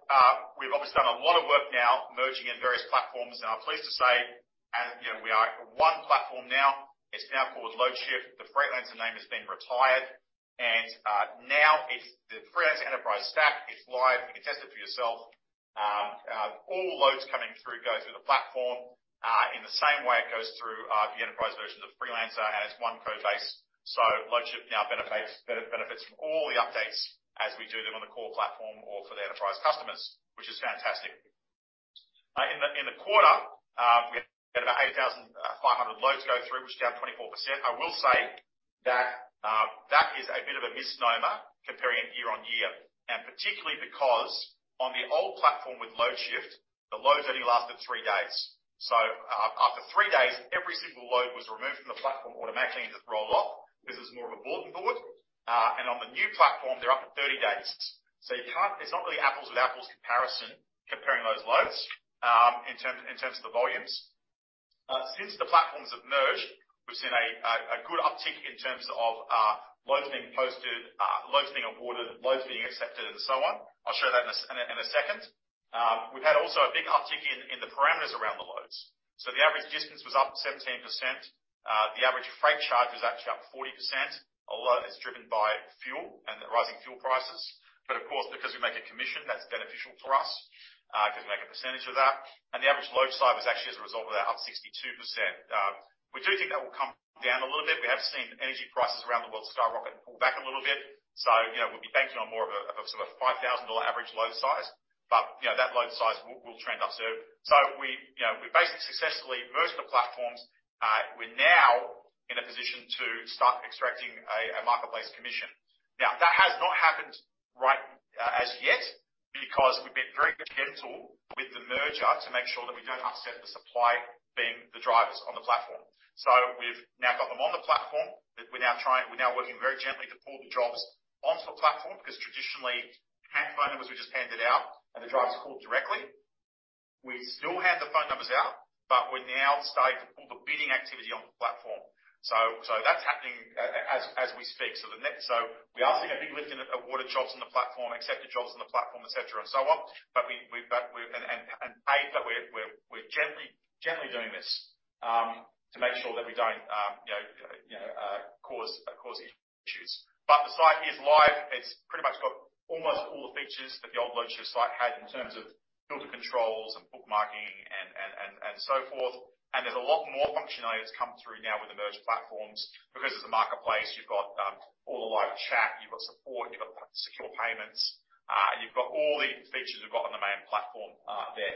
we've obviously done a lot of work now merging in various platforms. I'm pleased to say, as you know, we are one platform now. It's now called Loadshift. The Freightlancer name has been retired. Now it's the Freightlancer Enterprise stack. It's live. You can test it for yourself. All loads coming through goes through the platform. In the same way, it goes through the enterprise versions of Freelancer as one code base. Loadshift now benefits from all the updates as we do them on the core platform or for the enterprise customers, which is fantastic. In the quarter, we had about 8,500 loads go through, which is down 24%. I will say that that is a bit of a misnomer comparing it year-on-year. Particularly because on the old platform with Loadshift, the loads only lasted three days. After three days, every single load was removed from the platform automatically and just rolled off. This was more of a bulletin board. On the new platform, they're up to 30 days. You can't. It's not really apples-to-apples comparison comparing those loads, in terms of the volumes. Since the platforms have merged, we've seen a good uptick in terms of loads being posted, loads being awarded, loads being accepted, and so on. I'll show that in a second. We've had also a big uptick in the parameters around the loads. The average distance was up 17%. The average freight charge was actually up 40%, although that's driven by fuel and the rising fuel prices. Of course, because we make a commission, that's beneficial for us, 'cause we make a percentage of that. The average load size was actually as a result of that, up 62%. We do think that will come down a little bit. We have seen energy prices around the world skyrocket and pull back a little bit. You know, we'll be banking on more of a sort of a $5,000 average load size. You know, that load size will trend up too. We, you know, basically successfully merged the platforms. We're now in a position to start extracting a marketplace commission. Now, that has not happened right as yet. Because we've been very gentle with the merger to make sure that we don't upset the supply being the drivers on the platform. We've now got them on the platform. We're now working very gently to pull the jobs onto the platform, because traditionally, phone numbers were just handed out, and the drivers called directly. We still hand the phone numbers out, but we're now starting to pull the bidding activity on the platform. That's happening as we speak. We are seeing a big lift in awarded jobs on the platform, accepted jobs on the platform, et cetera, and so on. We're gently doing this to make sure that we don't you know cause issues. The site is live. It's pretty much got almost all the features that the old Loadshift site had in terms of filter controls and bookmarking and so forth. There's a lot more functionality that's come through now with the merged platforms. Because it's a marketplace, you've got all the live chat, you've got support, you've got secure payments, you've got all the features we've got on the main platform there.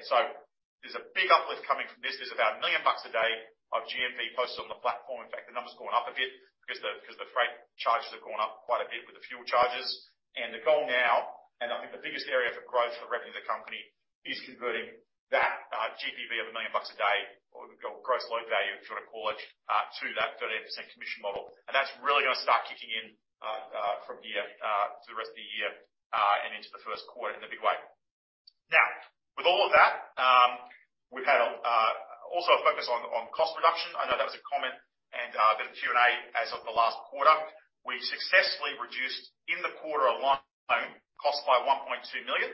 There's a big uplift coming from this. There's about 1 million bucks a day of GMV posted on the platform. In fact, the number's gone up a bit because the freight charges have gone up quite a bit with the fuel charges. The goal now, and I think the biggest area for growth for the revenue of the company, is converting that GPV of 1 million bucks a day, or gross load value, if you wanna call it, to that 13% commission model. That's really gonna start kicking in from here to the rest of the year and into the first quarter in a big way. Now, with all of that, we've had also a focus on cost reduction. I know that was a comment and a bit of Q&A as of the last quarter. We successfully reduced in the quarter alone costs by 1.2 million.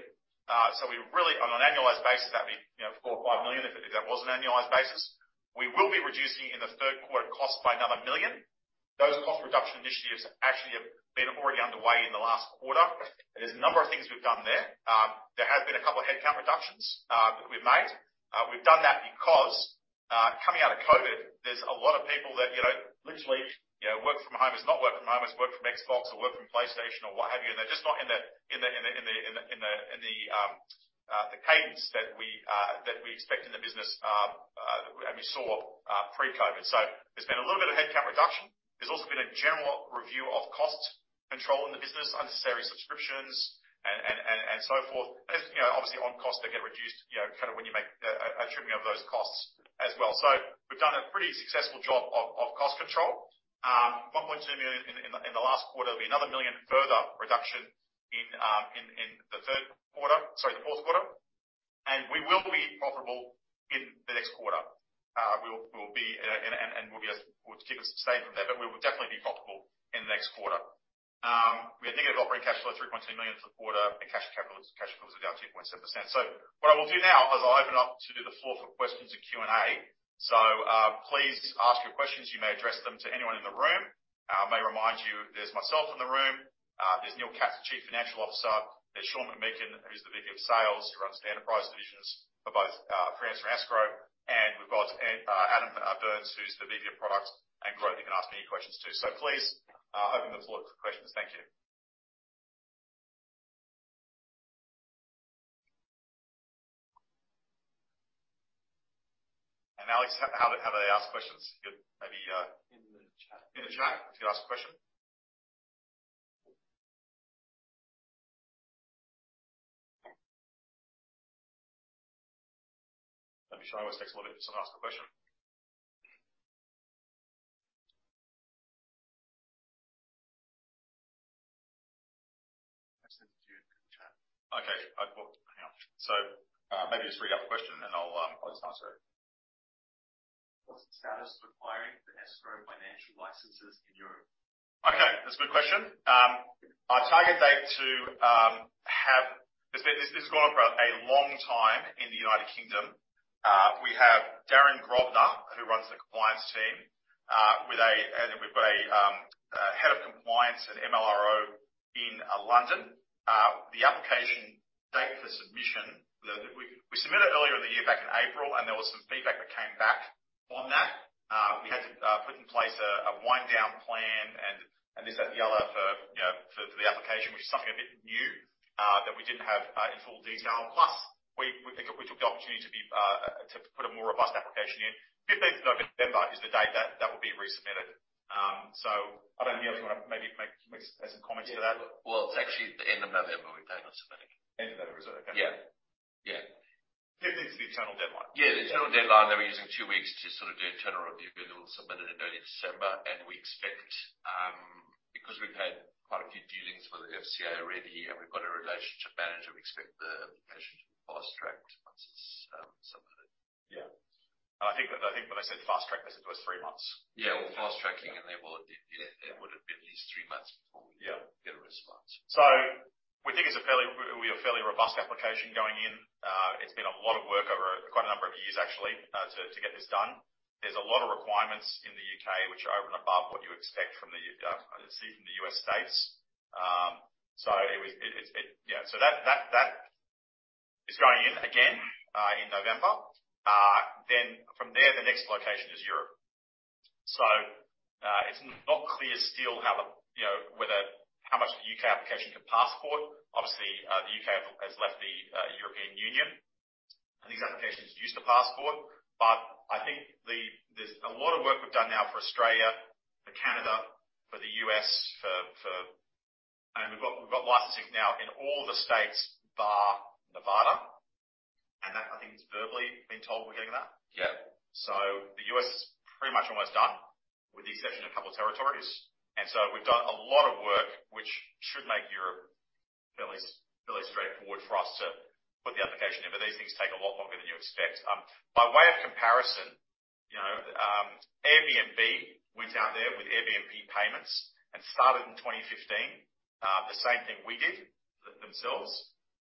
On an annualized basis, that'd be, you know, 4 million or 5 million if that was an annualized basis. We will be reducing in the third quarter costs by another 1 million. Those cost reduction initiatives actually have been already underway in the last quarter. There's a number of things we've done there. There have been a couple of headcount reductions that we've made. We've done that because, coming out of COVID, there's a lot of people that, you know, literally, you know, work from home. It's not work from home, it's work from Xbox or work from PlayStation or what have you. And they're just not in the cadence that we expect in the business, and we saw pre-COVID. There's been a little bit of headcount reduction. There's also been a general review of cost control in the business, unnecessary subscriptions and so forth. As you know, obviously on-cost they get reduced, you know, kinda when you make a trimming of those costs as well. We've done a pretty successful job of cost control. 1.2 million in the last quarter, another 1 million further reduction in the fourth quarter. We will be profitable in the next quarter. We'll keep it sustainable there, but we will definitely be profitable in the next quarter. We had negative operating cash flow, 3.2 million for the quarter, and cash capital cash flow was about 2.7%. What I will do now is I'll open up to the floor for questions and Q&A. Please ask your questions. You may address them to anyone in the room. I may remind you, there's myself in the room. There's Neil Katz, the Chief Financial Officer. There's Sean McMeekin, who's the VP of Sales, who runs the enterprise divisions for both Freightos and Escrow. We've got Adam Byrnes, who's the VP of Product and Growth. You can ask me any questions too. Please, I'll open the floor for questions. Thank you. Alex, how do they ask questions? You maybe In the chat. In the chat. If you ask a question. I'm sure it always takes a little bit for someone to ask a question. I sent it to you in the chat. Okay. Well, hang on. Maybe just read out the question, and then I'll answer it. What's the status required for Escrow financial licenses in Europe? Okay, that's a good question. This has gone on for a long time in the United Kingdom. We have Darren Gravener, who runs the compliance team with a head of compliance at MLRO in London. We submitted earlier in the year back in April, and there was some feedback that came back on that. We had to put in place a wind down plan and this, that, and the other for you know the application, which is something a bit new that we didn't have in full detail. We took the opportunity to put a more robust application in. 15th of November is the date that will be resubmitted. I don't know, Neil, do you wanna maybe make some comments to that? Well, it's actually the end of November we plan on submitting. End of November. Okay. Yeah. Yeah. 15th is the internal deadline. The internal deadline. They were using two weeks to sort of do internal review. We'll submit it in early December. We expect, because we've had quite a few dealings with the FCA already and we've got a relationship manager, we expect the application to be fast-tracked once it's submitted. Yeah. I think when they said fast-track, they said it was three months. Well, it would've been at least three months before. Yeah. We get a response. We think we have fairly robust application going in. It's been a lot of work over quite a number of years actually to get this done. There's a lot of requirements in the U.K. which are over and above what you expect from what you see from the U.S. states. That is going in again in November. From there, the next location is Europe. It's not clear still how, you know, whether how much the U.K. application can passport. Obviously, the U.K. has left the European Union to introduce the passport. I think there's a lot of work we've done now for Australia, for Canada, for the U.S.. We've got licensing now in all the states bar Nevada. That, I think, is verbally been told we're getting that. Yeah. The U.S. is pretty much almost done with the exception of a couple of territories. We've done a lot of work, which should make Europe fairly straightforward for us to put the application in. These things take a lot longer than you expect. By way of comparison, you know, Airbnb went out there with Airbnb Payments and started in 2015, the same thing we did, themselves,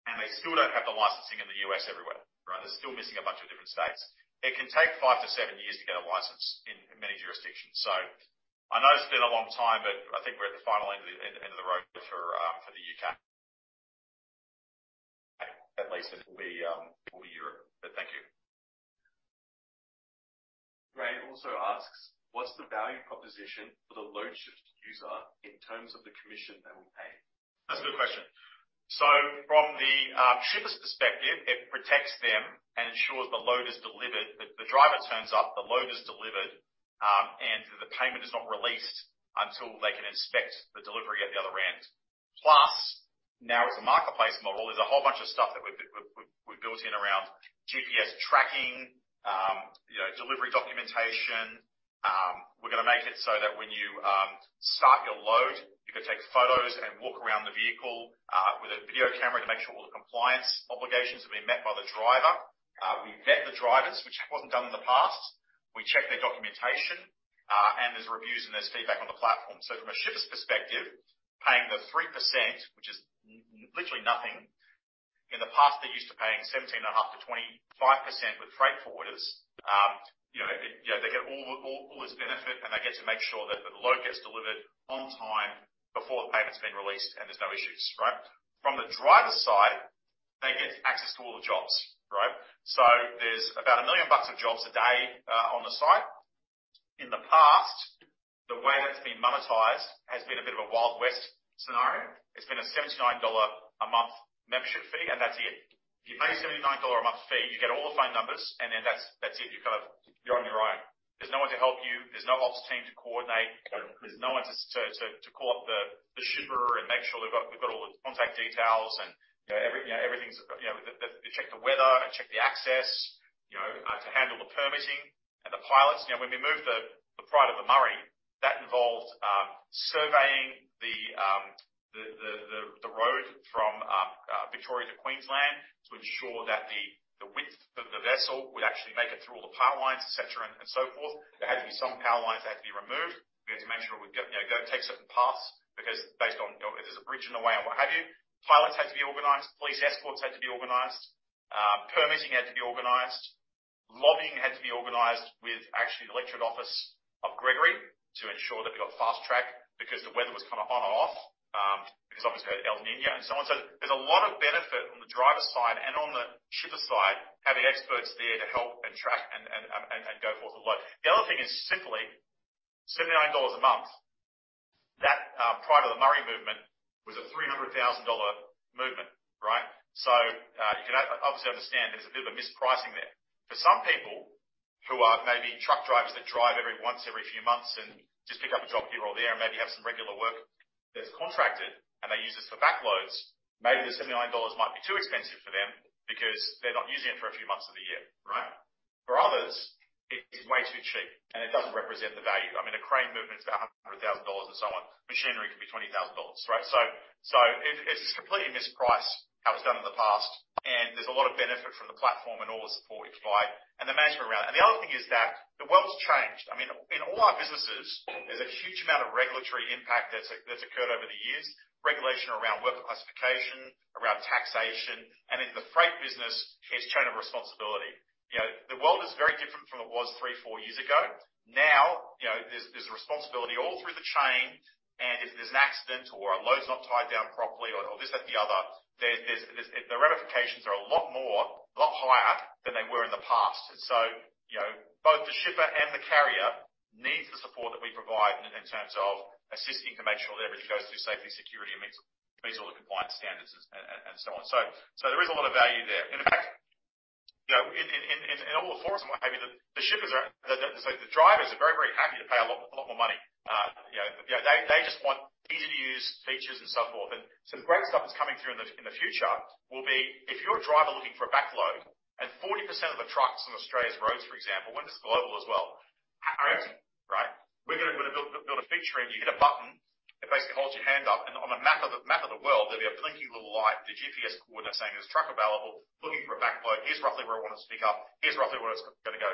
and they still don't have the licensing in the U.S. everywhere, right? They're still missing a bunch of different states. It can take five years-seven years to get a license in many jurisdictions. I know it's been a long time, but I think we're at the final end of the road for the U.K. At least it will be Europe. Thank you. Brian also asks, "What's the value proposition for the Loadshift user in terms of the commission that we pay? That's a good question. From the shipper's perspective, it protects them and ensures the load is delivered. The driver turns up, the load is delivered, and the payment is not released until they can inspect the delivery at the other end. Plus, now it's a marketplace model. There's a whole bunch of stuff that we've built in around GPS tracking, you know, delivery documentation. We're gonna make it so that when you start your load, you can take photos and walk around the vehicle with a video camera to make sure all the compliance obligations have been met by the driver. We vet the drivers, which wasn't done in the past. We check their documentation, and there's reviews and there's feedback on the platform. From a shipper's perspective, paying the 3%, which is literally nothing. In the past, they're used to paying 17.5%-25% with freight forwarders. You know, they get all this benefit, and they get to make sure that the load gets delivered on time before the payment's been released, and there's no issues, right? From the driver's side, they get access to all the jobs, right? There's about $1 million of jobs a day on the site. In the past, the way that's been monetized has been a bit of a Wild West scenario. It's been a $79 a month membership fee, and that's it. If you pay a $79 a month fee, you get all the phone numbers, and then that's it. You're on your own. There's no one to help you. There's no ops team to coordinate. There's no one to call up the shipper and make sure we've got all the contact details and, you know, everything's, you know, check the weather and check the access, you know, to handle the permitting and the pilots. You know, when we moved the Pride of the Murray, that involved surveying the road from Victoria to Queensland to ensure that the width of the vessel would actually make it through all the power lines, et cetera, and so forth. There had to be some power lines that had to be removed. We had to make sure we go, you know, take certain paths because based on, you know, if there's a bridge in the way and what have you. Pilots had to be organized. Police escorts had to be organized. Permitting had to be organized. Lobbying had to be organized with actually the electorate office of Gregory to ensure that we got fast track because the weather was kind of on and off, because obviously we had El Niño and so on. There's a lot of benefit on the driver's side and on the shipper side, having experts there to help and track and go forth and load. The other thing is simply 79 dollars a month. That, Pride of the Murray movement was a 300,000 dollar movement, right? You can obviously understand there's a bit of a mispricing there. For some people who are maybe truck drivers that drive every once a few months and just pick up a job here or there, maybe have some regular work that's contracted and they use this for back loads, maybe the 79 dollars might be too expensive for them because they're not using it for a few months of the year, right? For others, it is way too cheap, and it doesn't represent the value. I mean, a crane movement is about 100,000 dollars and so on. Machinery could be 20,000 dollars, right? It's just completely mispriced how it's done in the past, and there's a lot of benefit from the platform and all the support we provide and the management around it. The other thing is that the world's changed. I mean, in all our businesses, there's a huge amount of regulatory impact that's occurred over the years. Regulation around worker classification, around taxation, and in the freight business, it's chain of responsibility. You know, the world is very different from what it was three, four years ago. Now, you know, there's responsibility all through the chain, and if there's an accident or a load's not tied down properly or this, that, and the other, there's the ramifications are a lot more, a lot higher than they were in the past. You know, both the shipper and the carrier needs the support that we provide in terms of assisting to make sure that everything goes through safety, security, and meets all the compliance standards and so on. There is a lot of value there. In fact, you know, in all the forums and what have you, the drivers are very happy to pay a lot more money. You know, they just want easy-to-use features and so forth. Some great stuff that's coming through in the future will be if you're a driver looking for a back load and 40% of the trucks on Australia's roads, for example, and this is global as well, are empty, right? We're gonna build a feature in. You hit a button, it basically holds your hand up, and on the map of the world, there'll be a blinking little light with the GPS coordinate saying, "There's a truck available looking for a back load. Here's roughly where I want to pick up. Here's roughly where it's gonna go.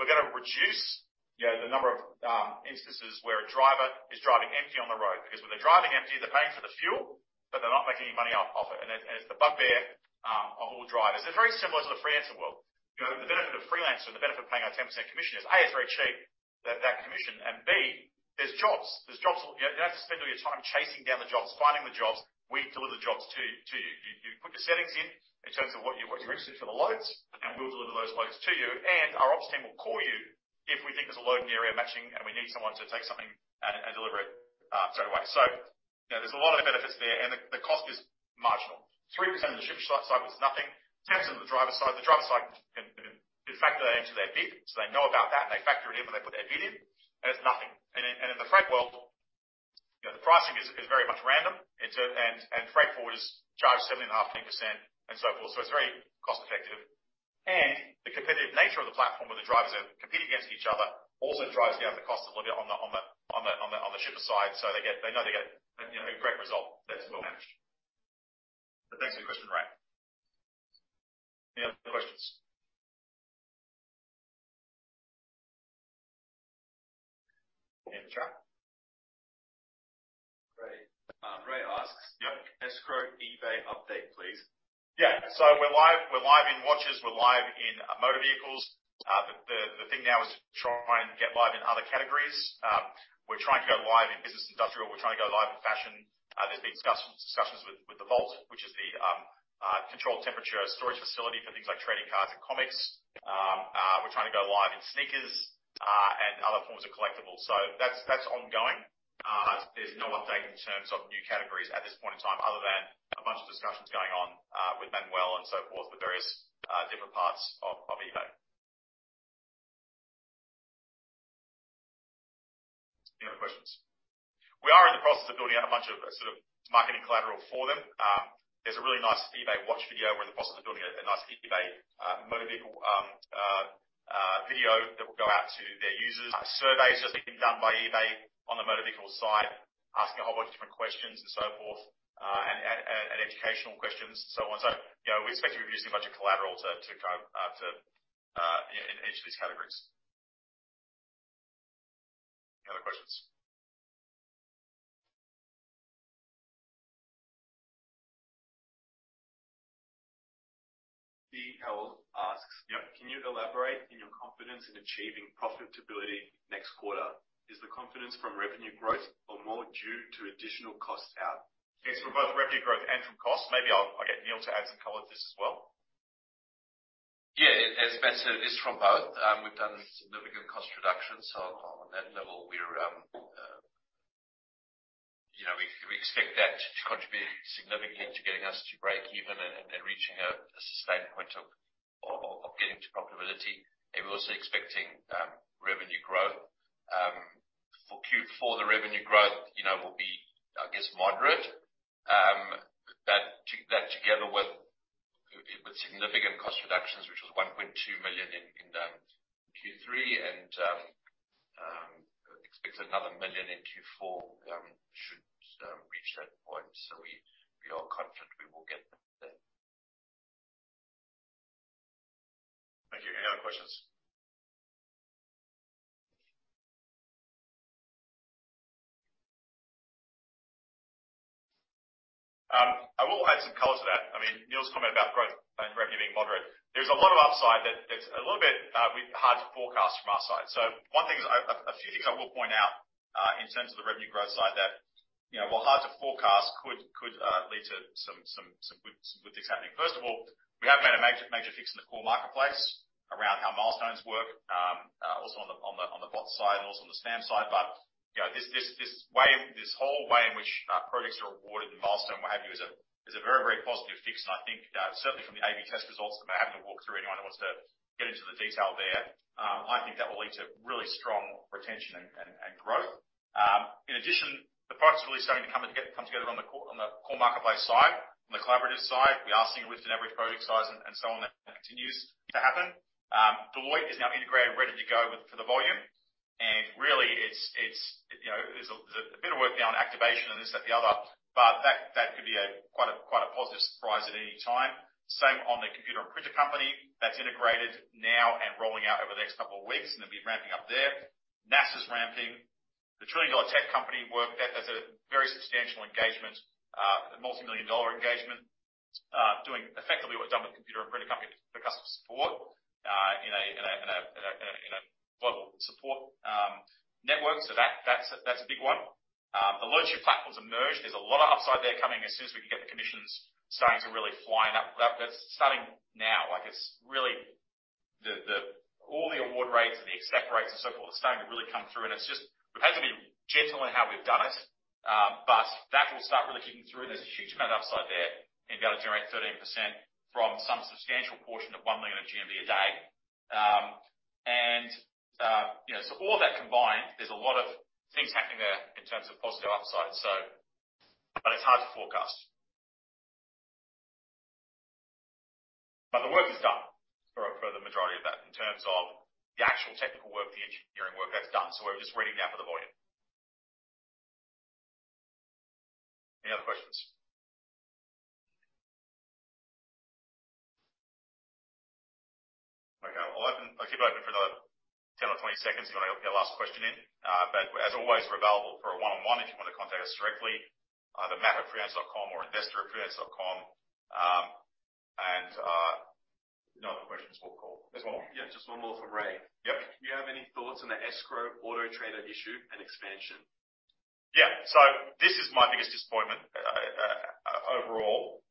We're gonna reduce, you know, the number of instances where a driver is driving empty on the road. Because when they're driving empty, they're paying for the fuel, but they're not making any money off it. It's the bugbear of all drivers. They're very similar to the Freelancer world. You know, the benefit of Freelancer, the benefit of paying our 10% commission is, A, it's very cheap, that commission, and B, there's jobs. There's jobs. You know, you don't have to spend all your time chasing down the jobs, finding the jobs. We deliver the jobs to you. You put your settings in terms of what you're interested for the loads, and we'll deliver those loads to you. Our ops team will call you if we think there's a load in the area matching, and we need someone to take something and deliver it straight away. Yeah, there's a lot of benefits there, and the cost is marginal. 3% of the shipper's cycle is nothing. 10% of the driver's side can. In fact, they enter their bid, so they know about that, and they factor it in when they put their bid in, and it's nothing. In the freight world, you know, the pricing is very much random. Freight forwarders charge 7.5%-10% and so forth, so it's very cost-effective. The competitive nature of the platform, where the drivers are competing against each other, also drives down the cost a little bit on the shipper side. They know they get a, you know, a great result that's well-managed. Thanks for your question, Ray. Any other questions? Okay, sure. Great. Ray asks. Yep. Escrow eBay update, please. Yeah. We're live in watches, we're live in motor vehicles. The thing now is to try and get live in other categories. We're trying to go live in Business & Industrial. We're trying to go live in fashion. There's been discussions with eBay Vault, which is the controlled temperature storage facility for things like trading cards and comics. We're trying to go live in sneakers and other forms of collectibles. That's ongoing. There's no update in terms of new categories at this point in time other than a bunch of discussions going on with Manuel and so forth with various different parts of eBay. Any other questions? We are in the process of building out a bunch of sort of marketing collateral for them. There's a really nice eBay watch video. We're in the process of building a nice eBay motor vehicle video that will go out to their users. A survey's just been done by eBay on the motor vehicles side, asking a whole bunch of different questions and so forth, and educational questions. You know, we expect to be producing a bunch of collateral to go to in each of these categories. Any other questions? Steve Howell asks. Yep. Can you elaborate on your confidence in achieving profitability next quarter? Is the confidence from revenue growth or more due to additional cost cuts? Yes, from both revenue growth and from cost. Maybe I'll get Neil to add some color to this as well. Yeah. As Matt said, it's from both. We've done significant cost reductions. On that level we're, you know, we expect that to contribute significantly to getting us to break even and reaching a sustained point of getting to profitability. We're also expecting revenue growth. For Q4, the revenue growth, you know, will be, I guess, moderate. That together with significant cost reductions, which was 1.2 million in Q3 and expect another 1 million in Q4, should reach that point. We are confident we will get there. Thank you. Any other questions? I will add some color to that. I mean, Neil's comment about growth and revenue being moderate. There's a lot of upside that's a little bit hard to forecast from our side. One thing is a few things I will point out in terms of the revenue growth side that, you know, while hard to forecast could lead to some good things happening. First of all, we have made a major fix in the core marketplace around how milestones work. Also on the bot side and also on the spam side. You know, this way, this whole way in which projects are awarded and milestone, what have you, is a very positive fix. I think certainly from the A/B test results, I'm happy to walk through anyone who wants to get into the detail there. I think that will lead to really strong retention and growth. In addition, the product's really starting to come together on the core marketplace side. On the collaborative side, we are seeing a lift in average project size and so on. That continues to happen. Deloitte is now integrated, ready to go for the volume. Really it's, you know, there's a bit of work now on activation and this, that and the other, but that could be quite a positive surprise at any time. Same on the computer and printer company. That's integrated now and rolling out over the next couple of weeks, and they'll be ramping up there. NASA's ramping. The trillion-dollar tech company work, that's a very substantial engagement, a multimillion-dollar engagement, doing effectively what we've done with computer and printer company for customer support, in a global support network. That's a big one. The Loadshift platforms are merged. There's a lot of upside there coming as soon as we can get the commissions starting to really flying up. That's starting now. Like, it's really all the award rates and the exact rates and so forth are starting to really come through, and it's just we've had to be gentle in how we've done it. That will start really kicking through. There's a huge amount of upside there and be able to generate 13% from some substantial portion of 1 million GMV a day. All of that combined, there's a lot of things happening there in terms of positive upside. It's hard to forecast. The work is done for the majority of that. In terms of the actual technical work, the engineering work, that's done. We're just ready now for the volume. Any other questions? Okay. I'll keep it open for another 10 seconds or 20 seconds if you wanna get a last question in. As always, we're available for a one-on-one if you wanna contact us directly, either matt@freelancer.com or investor@freelancer.com. If there are no other questions, we'll call. There's one more. Yeah, just one more from Ray. Yep. Do you have any thoughts on the Escrow Autotrader issue and expansion? Yeah. This is my biggest disappointment. Overall,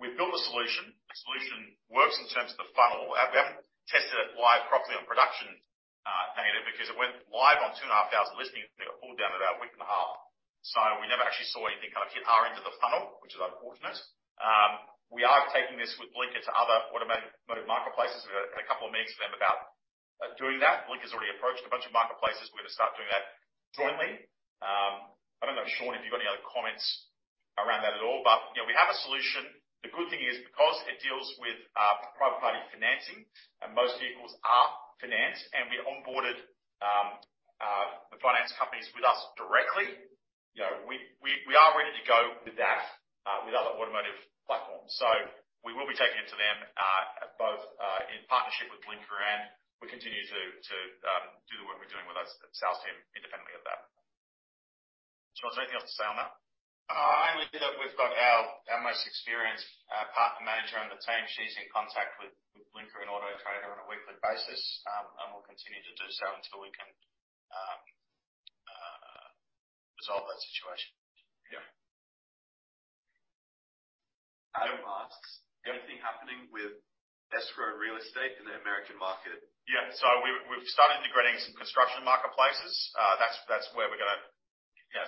we've built a solution. The solution works in terms of the funnel. We haven't tested it live properly on production, because it went live on 2,500 listings that got pulled down about a week and a half. We never actually saw anything kind of hit our end of the funnel, which is unfortunate. We are taking this with Blinker to other automotive marketplaces. We've had a couple of meetings with them about doing that. Blinker's already approached a bunch of marketplaces. We're gonna start doing that jointly. I don't know, Sean, if you've got any other comments around that at all, but, you know, we have a solution. The good thing is because it deals with private party financing and most vehicles are financed and we onboarded the finance companies with us directly. You know, we are ready to go with that with other automotive platforms. We will be taking it to them both in partnership with Blinker, and we continue to do the work we're doing with our sales team independently of that. Sean, is there anything else to say on that? Only that we've got our most experienced partner manager on the team. She's in contact with Blinker and Autotrader on a weekly basis. We'll continue to do so until we can resolve that situation. Yeah. Adam asks, "Anything happening with Escrow and real estate in the American market? Yeah. We've started integrating some construction marketplaces. That's where we're gonna, you know,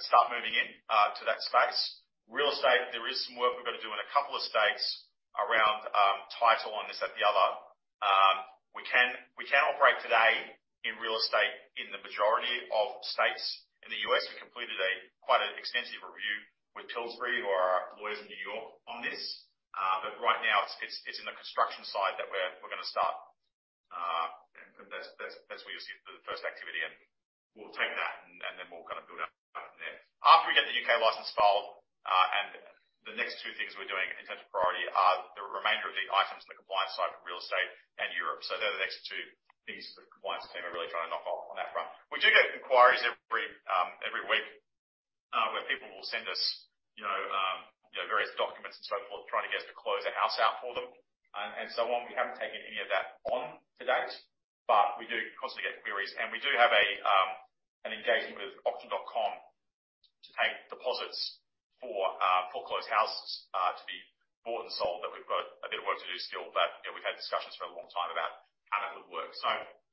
start moving in to that space. Real estate, there is some work we've got to do in a couple of states around title and this, that, and the other. We can operate today in real estate in the majority of states in the U.S. We completed quite an extensive review with Pillsbury who are our lawyers in New York on this. Right now it's in the construction side that we're gonna start. That's where you'll see the first activity and we'll take that and then we'll kind of build out from there. After we get the U.K. license filed, and the next two things we're doing in terms of priority are the remainder of the items on the compliance side for real estate and Europe. They're the next two things the compliance team are really trying to knock off on that front. We do get inquiries every week, where people will send us, you know, you know, various documents and so forth trying to get us to close a house out for them and so on. We haven't taken any of that on to date, but we do constantly get queries, and we do have an engagement with Auction.com to take deposits for foreclosed houses to be bought and sold. We've got a bit of work to do still. You know, we've had discussions for a long time about how that would work.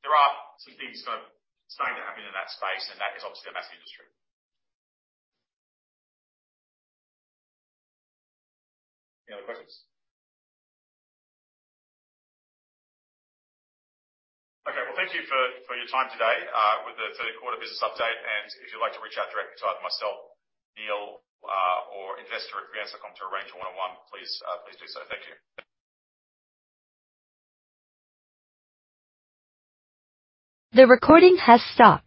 There are some things kind of starting to happen in that space, and that is obviously a massive industry. Any other questions? Okay. Well, thank you for your time today with the third quarter business update. If you'd like to reach out directly to either myself, Neil, or investor@freelancer.com to arrange a one-on-one, please do so. Thank you.